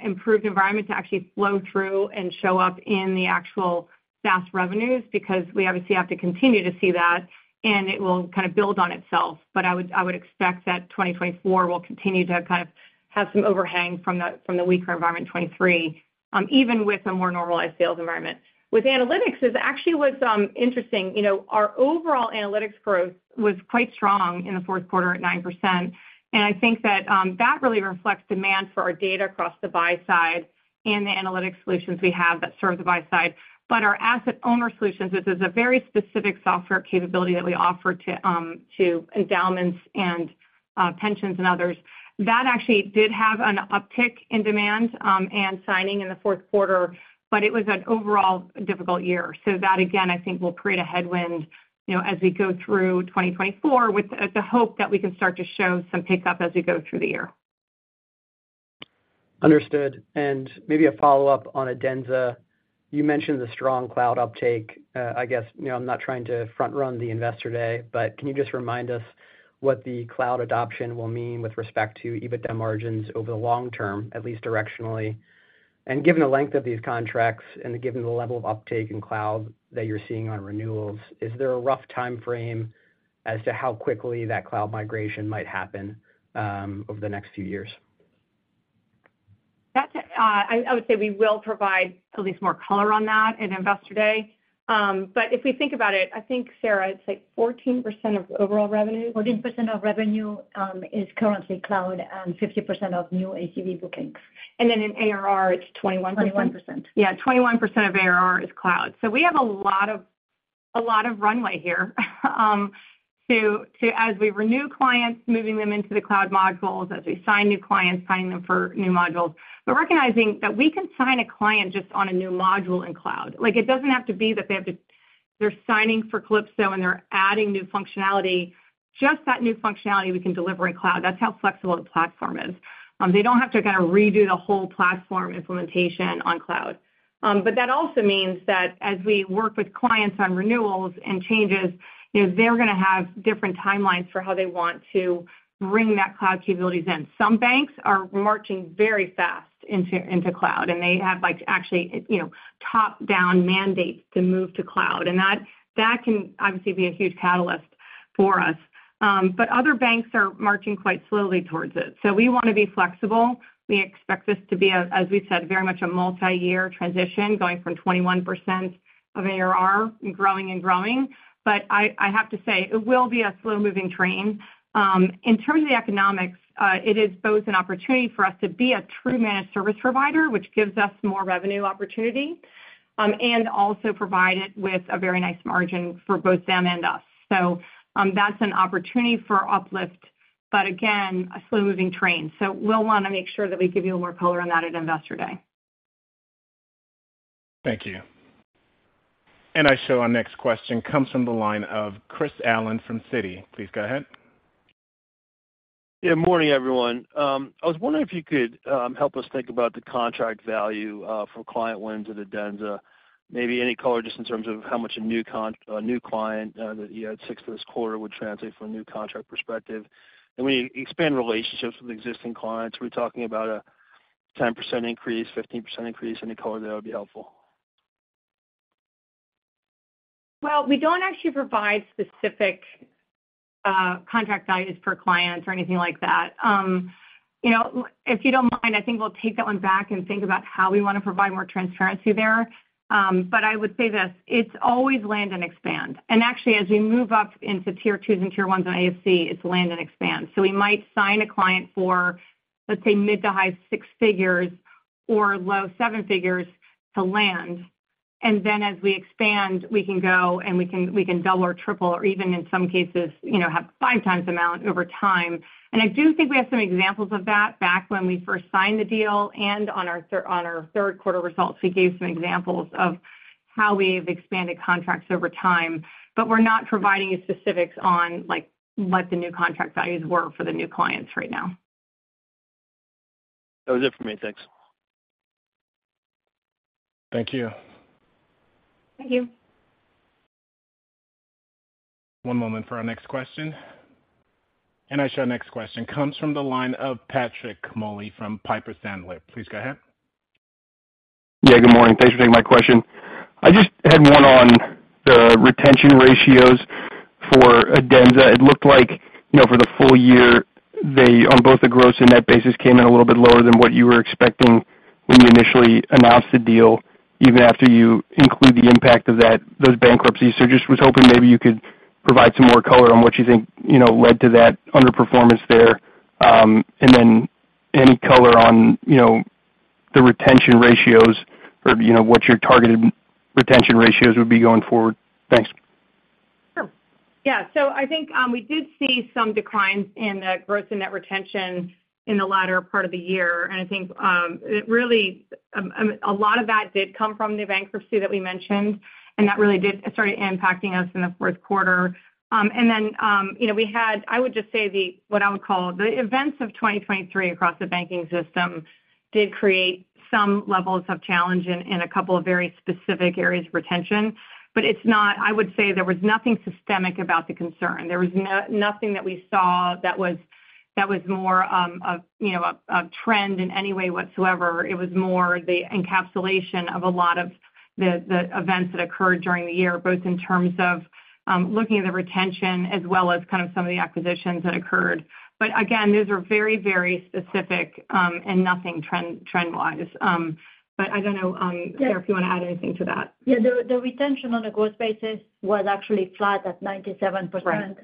improved environment to actually flow through and show up in the actual SaaS revenues, because we obviously have to continue to see that, and it will kind of build on itself. But I would expect that 2024 will continue to kind of have some overhang from the weaker environment in 2023, even with a more normalized sales environment. With analytics, this actually was interesting. You know, our overall analytics growth was quite strong in the fourth quarter at 9%, and I think that that really reflects demand for our data across the buy side and the analytics solutions we have that serve the buy side. But our asset owner solutions, this is a very specific software capability that we offer to to endowments and pensions and others. That actually did have an uptick in demand, and signing in the fourth quarter, but it was an overall difficult year. So that, again, I think, will create a headwind, you know, as we go through 2024, with the hope that we can start to show some pickup as we go through the year. Understood. Maybe a follow-up on Adenza. You mentioned the strong cloud uptake. I guess, you know, I'm not trying to front run the investor day, but can you just remind us what the cloud adoption will mean with respect to EBITDA margins over the long term, at least directionally? Given the length of these contracts, and given the level of uptake in cloud that you're seeing on renewals, is there a rough timeframe as to how quickly that cloud migration might happen, over the next few years? That's, I would say we will provide at least more color on that in Investor Day. But if we think about it, I think, Sarah, it's like 14% of overall revenue? 14% of revenue is currently cloud and 50% of new ACV bookings. In ARR, it's 21%? Twenty-one percent. Yeah, 21% of ARR is cloud. So we have a lot of, a lot of runway here, to, to as we renew clients, moving them into the cloud modules, as we sign new clients, sign them for new modules. But recognizing that we can sign a client just on a new module in cloud. Like, it doesn't have to be that they have to- they're signing for Calypso, and they're adding new functionality. Just that new functionality, we can deliver in cloud. That's how flexible the platform is. They don't have to kind of redo the whole platform implementation on cloud. But that also means that as we work with clients on renewals and changes, you know, they're gonna have different timelines for how they want to bring that cloud capabilities in. Some banks are marching very fast into cloud, and they have, like, actually, you know, top-down mandates to move to cloud. And that can obviously be a huge catalyst for us. But other banks are marching quite slowly towards it. So we want to be flexible. We expect this to be a, as we've said, very much a multiyear transition, going from 21% of ARR and growing and growing. But I have to say, it will be a slow-moving train. In terms of the economics, it is both an opportunity for us to be a true managed service provider, which gives us more revenue opportunity, and also provide it with a very nice margin for both them and us. So, that's an opportunity for uplift, but again, a slow-moving train. We'll want to make sure that we give you more color on that at Investor Day. Thank you. And I show our next question comes from the line of Chris Allen from Citi. Please go ahead. Yeah, morning, everyone. I was wondering if you could help us think about the contract value for client wins of Adenza. Maybe any color just in terms of how much a new client that you had 6 for this quarter would translate from a new contract perspective. And when you expand relationships with existing clients, are we talking about a 10% increase, 15% increase? Any color there would be helpful. Well, we don't actually provide specific contract values per client or anything like that. You know, if you don't mind, I think we'll take that one back and think about how we want to provide more transparency there. But I would say this, it's always land and expand. And actually, as we move up into Tier 2s and Tier 1s on AFC, it's land and expand. So we might sign a client for, let's say, mid- to high-six figures or low-seven figures to land, and then as we expand, we can go and we can, we can double or triple or even in some cases, you know, have five times amount over time. I do think we have some examples of that back when we first signed the deal and on our third quarter results, we gave some examples of how we've expanded contracts over time. But we're not providing specifics on, like, what the new contract values were for the new clients right now. That was it for me. Thanks. Thank you. Thank you. One moment for our next question. I show our next question comes from the line of Patrick Moley from Piper Sandler. Please go ahead. Yeah, good morning. Thanks for taking my question. I just had one on the retention ratios for Adenza. It looked like, you know, for the full year, they, on both the gross and net basis, came in a little bit lower than what you were expecting when you initially announced the deal, even after you include the impact of that, those bankruptcies. So just was hoping maybe you could provide some more color on what you think, you know, led to that underperformance there. And then any color on, you know, the retention ratios or, you know, what your targeted retention ratios would be going forward? Thanks. Sure. Yeah, so I think, we did see some declines in the gross and net retention in the latter part of the year. And I think, it really, a lot of that did come from the bankruptcy that we mentioned, and that really did—it started impacting us in the fourth quarter. And then, you know, we had, I would just say, the, what I would call, the events of 2023 across the banking system did create some levels of challenge in a couple of very specific areas of retention. But it's not—I would say there was nothing systemic about the concern. There was nothing that we saw that was more, you know, a trend in any way whatsoever. It was more the encapsulation of a lot of the events that occurred during the year, both in terms of looking at the retention, as well as kind of some of the acquisitions that occurred. But again, those are very, very specific, and nothing trend-wise. But I don't know, Sarah, if you want to add anything to that. Yeah, the retention on a growth basis was actually flat at 97%. Right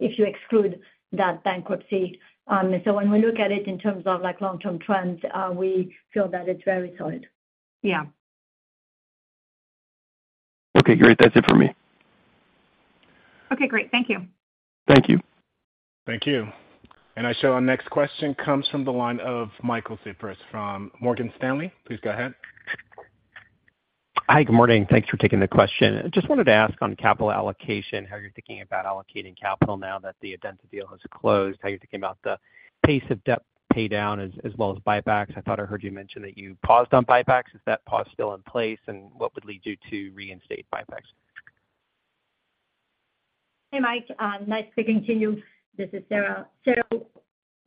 If you exclude that bankruptcy. So when we look at it in terms of, like, long-term trends, we feel that it's very solid. Yeah. Okay, great. That's it for me. Okay, great. Thank you. Thank you. Thank you. I show our next question comes from the line of Michael Cyprys from Morgan Stanley. Please go ahead. Hi, good morning. Thanks for taking the question. I just wanted to ask on capital allocation, how you're thinking about allocating capital now that the Adenza deal has closed, how you're thinking about the pace of debt paydown as well as buybacks. I thought I heard you mention that you paused on buybacks. Is that pause still in place, and what would lead you to reinstate buybacks? Hey, Mike, nice speaking to you. This is Sarah. So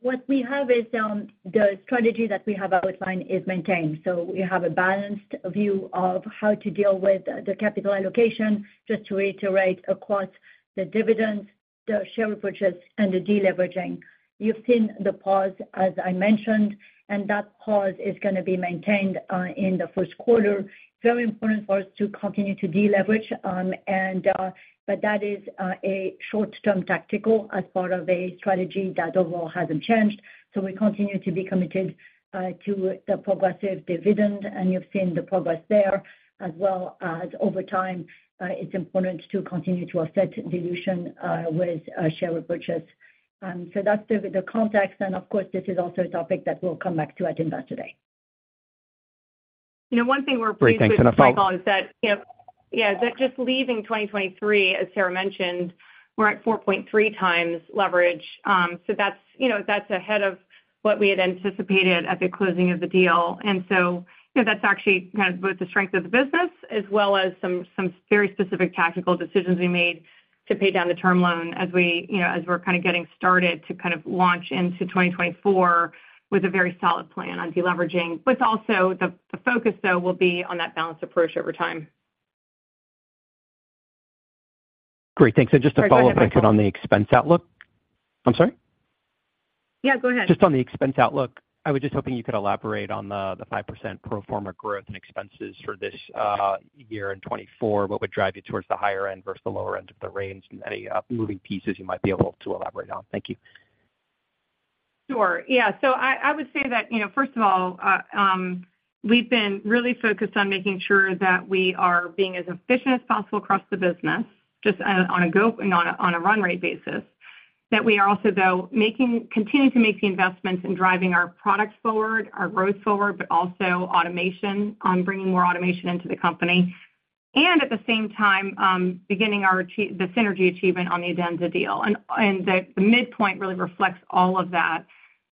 what we have is, the strategy that we have outlined is maintained. So we have a balanced view of how to deal with the capital allocation, just to reiterate, across the dividend. ...the share repurchase and the deleveraging. You've seen the pause, as I mentioned, and that pause is gonna be maintained in the first quarter. It's very important for us to continue to deleverage, and, but that is a short-term tactical as part of a strategy that overall hasn't changed. So we continue to be committed to the progressive dividend, and you've seen the progress there as well as over time, it's important to continue to offset dilution with share repurchase. So that's the context, and of course, this is also a topic that we'll come back to at Investor Day. You know, one thing we're pleased with, Michael, is that, you know, yeah, that just leaving 2023, as Sarah mentioned, we're at 4.3x leverage. So that's, you know, that's ahead of what we had anticipated at the closing of the deal. And so, you know, that's actually kind of both the strength of the business, as well as some, some very specific tactical decisions we made to pay down the term loan as we, you know, as we're kind of getting started to kind of launch into 2024 with a very solid plan on deleveraging. But also the focus, though, will be on that balanced approach over time. Great, thanks. So just a follow-up on the expense outlook. I'm sorry? Yeah, go ahead. Just on the expense outlook, I was just hoping you could elaborate on the, the 5% pro forma growth in expenses for this year in 2024. What would drive you towards the higher end versus the lower end of the range? And any moving pieces you might be able to elaborate on? Thank you. Sure. Yeah, so I would say that, you know, first of all, we've been really focused on making sure that we are being as efficient as possible across the business, just on a run rate basis. That we are also, though, continuing to make the investments in driving our products forward, our growth forward, but also automation, on bringing more automation into the company, and at the same time, beginning the synergy achievement on the Adenza deal. And the midpoint really reflects all of that.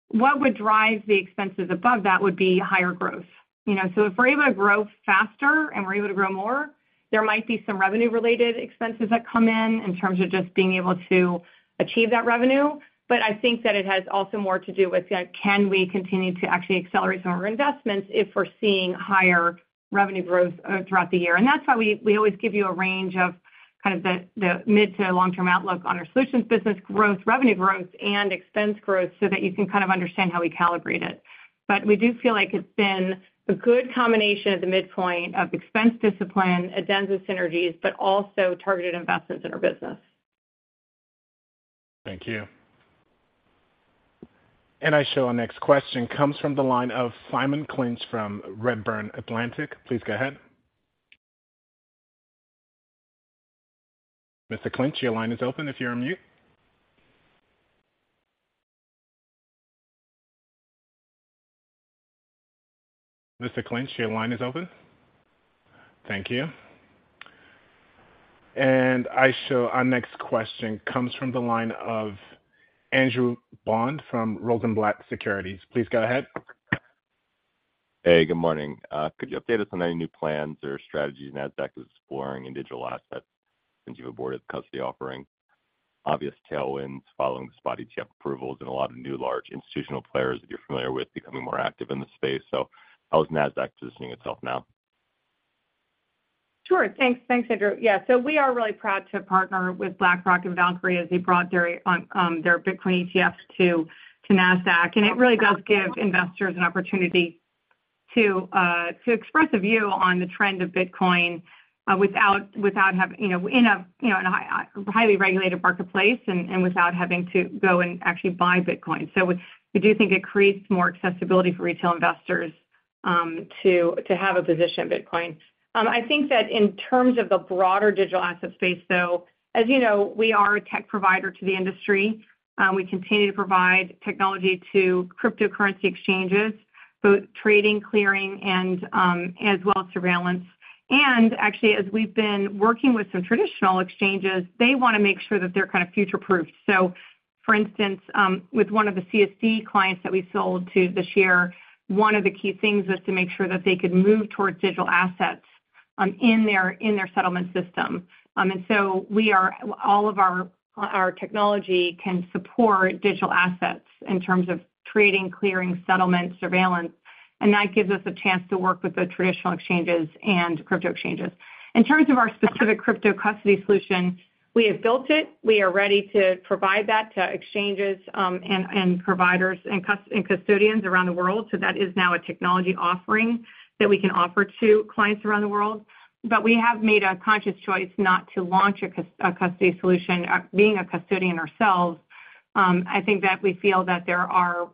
What would drive the expenses above that would be higher growth. You know, so if we're able to grow faster and we're able to grow more, there might be some revenue-related expenses that come in, in terms of just being able to achieve that revenue. But I think that it has also more to do with, can we continue to actually accelerate some of our investments if we're seeing higher revenue growth, throughout the year? And that's why we, we always give you a range of kind of the, the mid to long-term outlook on our solutions, business growth, revenue growth, and expense growth, so that you can kind of understand how we calibrate it. But we do feel like it's been a good combination at the midpoint of expense discipline, Adenza synergies, but also targeted investments in our business. Thank you. I show our next question comes from the line of Simon Clinch from Redburn Atlantic. Please go ahead. Mr. Clinch, your line is open if you're on mute. Mr. Clinch, your line is open? Thank you. I show our next question comes from the line of Andrew Bond from Rosenblatt Securities. Please go ahead. Hey, good morning. Could you update us on any new plans or strategies Nasdaq is exploring in digital assets since you've aborted the custody offering? Obvious tailwinds following the spot ETF approvals and a lot of new large institutional players that you're familiar with becoming more active in the space. So how is Nasdaq positioning itself now? Sure, thanks. Thanks, Andrew. Yeah, so we are really proud to partner with BlackRock and Valkyrie as they brought their Bitcoin ETFs to Nasdaq. And it really does give investors an opportunity to express a view on the trend of Bitcoin without having, you know, in a highly regulated marketplace and without having to go and actually buy Bitcoin. So we do think it creates more accessibility for retail investors to have a position in Bitcoin. I think that in terms of the broader digital asset space, though, as you know, we are a tech provider to the industry. We continue to provide technology to cryptocurrency exchanges, both trading, clearing, and as well as surveillance. And actually, as we've been working with some traditional exchanges, they want to make sure that they're kind of future-proof. So for instance, with one of the CSD clients that we sold to this year, one of the key things was to make sure that they could move towards digital assets in their, in their settlement system. And so we are all of our, our technology can support digital assets in terms of trading, clearing, settlement, surveillance, and that gives us a chance to work with the traditional exchanges and crypto exchanges. In terms of our specific crypto custody solution, we have built it. We are ready to provide that to exchanges and providers and custodians around the world. So that is now a technology offering that we can offer to clients around the world. But we have made a conscious choice not to launch a custody solution. Being a custodian ourselves, I think that we feel that there are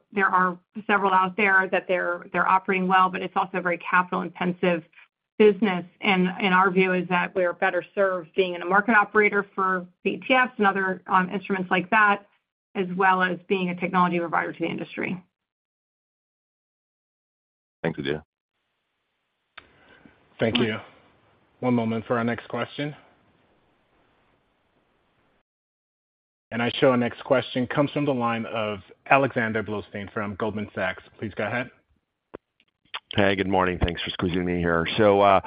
several out there that they're operating well, but it's also a very capital-intensive business, and our view is that we're better served being a market operator for the ETFs and other instruments like that, as well as being a technology provider to the industry. Thanks, Adena. Thank you. One moment for our next question. I show our next question comes from the line of Alexander Blostein from Goldman Sachs. Please go ahead. Hey, good morning. Thanks for squeezing me in here. So,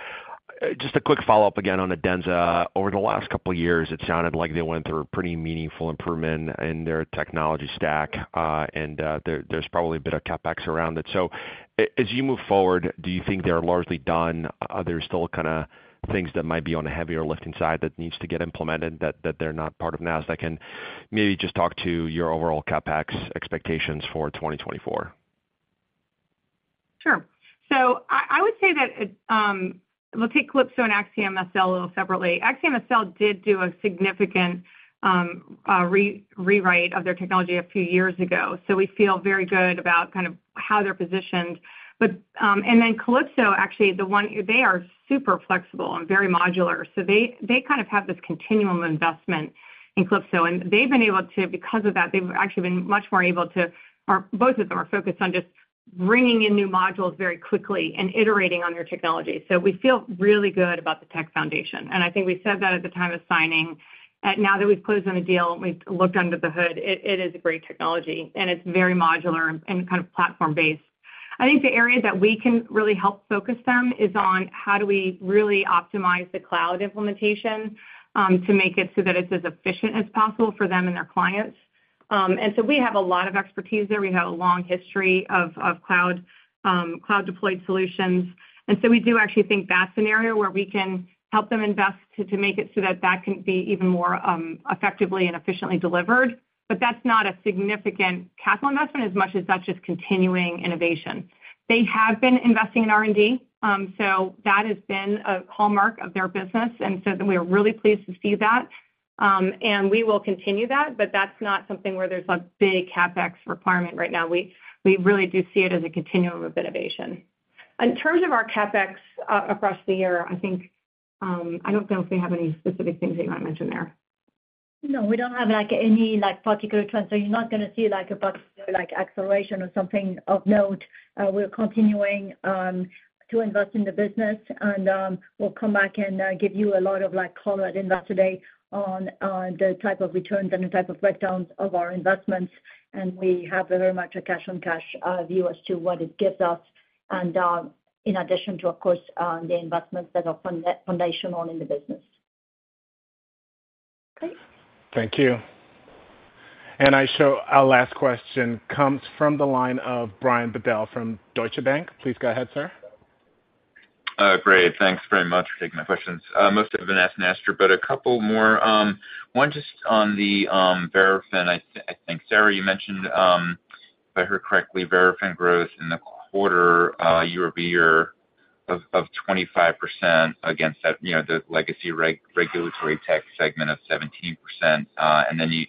just a quick follow-up again on Adenza. Over the last couple of years, it sounded like they went through a pretty meaningful improvement in their technology stack, and, there, there's probably a bit of CapEx around it. So as you move forward, do you think they're largely done? Are there still kind of things that might be on a heavier lifting side that needs to get implemented that they're not part of Nasdaq? And maybe just talk to your overall CapEx expectations for 2024. Sure. So I would say that it, we'll take Calypso and AxiomSL a little separately. AxiomSL did do a significant rewrite of their technology a few years ago, so we feel very good about kind of how they're positioned. But, and then Calypso, actually, the one—they are super flexible and very modular, so they kind of have this continuum of investment in Calypso, and they've been able to, because of that, they've actually been much more able to... Or both of them are focused on just bringing in new modules very quickly and iterating on their technology. So we feel really good about the tech foundation, and I think we said that at the time of signing. And now that we've closed on the deal, and we've looked under the hood, it is a great technology, and it's very modular and kind of platform-based. I think the area that we can really help focus them is on how do we really optimize the cloud implementation, to make it so that it's as efficient as possible for them and their clients? And so we have a lot of expertise there. We have a long history of cloud-deployed solutions. And so we do actually think that's an area where we can help them invest to make it so that that can be even more effectively and efficiently delivered. But that's not a significant capital investment as much as that's just continuing innovation. They have been investing in R&D, so that has been a hallmark of their business, and so we are really pleased to see that. We will continue that, but that's not something where there's a big CapEx requirement right now. We, we really do see it as a continuum of innovation. In terms of our CapEx, across the year, I think, I don't know if we have any specific things that you want to mention there. No, we don't have, like, any, like, particular trends, so you're not gonna see, like, a particular, like, acceleration or something of note. We're continuing to invest in the business, and we'll come back and give you a lot of, like, color at Investor Day on the type of returns and the type of breakdowns of our investments, and we have a very much a cash-on-cash view as to what it gives us, and in addition to, of course, the investments that are foundational in the business. Please? Thank you. And I show our last question comes from the line of Brian Bedell from Deutsche Bank. Please go ahead, sir. Great. Thanks very much for taking my questions. Most have been asked, and answered but a couple more. One just on the Verafin, I think. Sarah, you mentioned, if I heard correctly, Verafin growth in the quarter, year-over-year of 25% against that, you know, the legacy Regulatory Tech segment of 17%. And then you...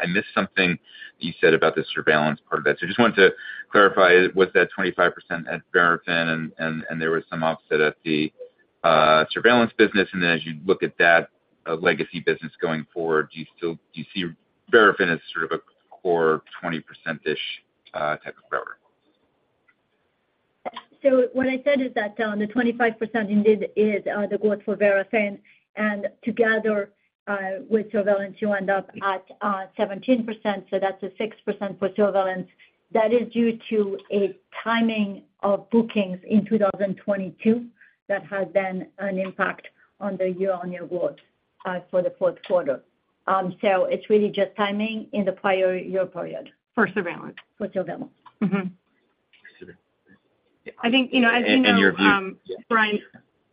I missed something you said about the surveillance part of it. So I just wanted to clarify, was that 25% at Verafin, and there was some offset at the surveillance business? And then as you look at that legacy business going forward, do you still see Verafin as sort of a core 20%-ish type of growth? So what I said is that, the 25% indeed is the growth for Verafin, and together, with surveillance, you end up at 17%, so that's a 6% for surveillance. That is due to a timing of bookings in 2022, that had been an impact on the year-on-year growth for the fourth quarter. So it's really just timing in the prior year period. For surveillance. For surveillance. I see. I think, you know, Your view? Brian...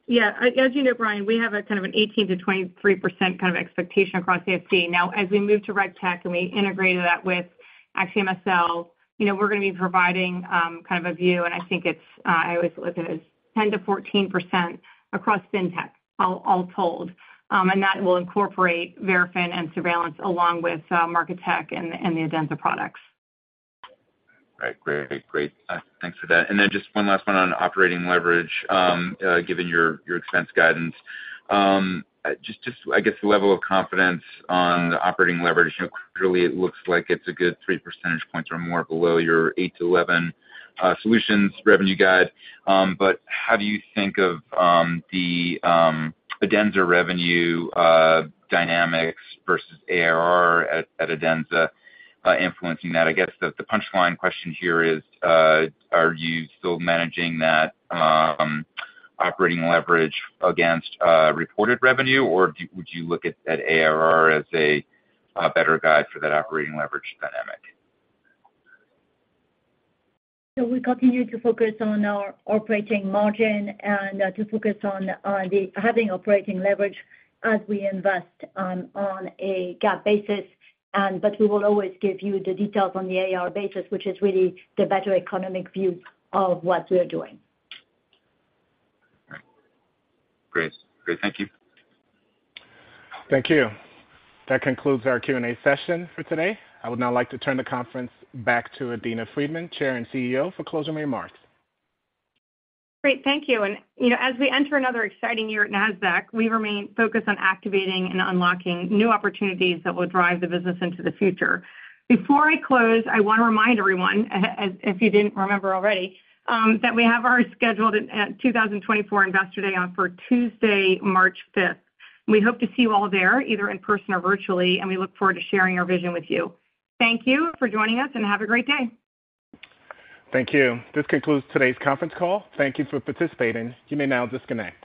Yeah, as you know, Brian, we have a kind of an 18%-23% kind of expectation across AFC. Now, as we move to RegTech, and we integrated that with AxiomSL, you know, we're gonna be providing kind of a view, and I think it's, I always look at it as 10%-14% across FinTech, all, all told. And that will incorporate Verafin and surveillance along with Market Tech and the, and the Adenza products. Right. Great. Great. Thanks for that. And then just one last one on operating leverage, given your, your expense guidance. Just, just I guess the level of confidence on the operating leverage. You know, clearly it looks like it's a good three percentage points or more below your eight-11 solutions revenue guide. But how do you think of, the, Adenza revenue, dynamics versus ARR at, at Adenza, influencing that? I guess the, the punchline question here is, are you still managing that, operating leverage against, reported revenue, or do you, would you look at, at ARR as a, better guide for that operating leverage dynamic? So we continue to focus on our operating margin and to focus on having operating leverage as we invest on a GAAP basis, and but we will always give you the details on the ARR basis, which is really the better economic view of what we are doing. Great. Great. Thank you. Thank you. That concludes our Q&A session for today. I would now like to turn the conference back to Adena Friedman, Chair and CEO, for closing remarks. Great, thank you. You know, as we enter another exciting year at Nasdaq, we remain focused on activating and unlocking new opportunities that will drive the business into the future. Before I close, I want to remind everyone, if you didn't remember already, that we have our scheduled 2024 Investor Day on Tuesday, March 5th. We hope to see you all there, either in person or virtually, and we look forward to sharing our vision with you. Thank you for joining us, and have a great day. Thank you. This concludes today's conference call. Thank you for participating. You may now disconnect.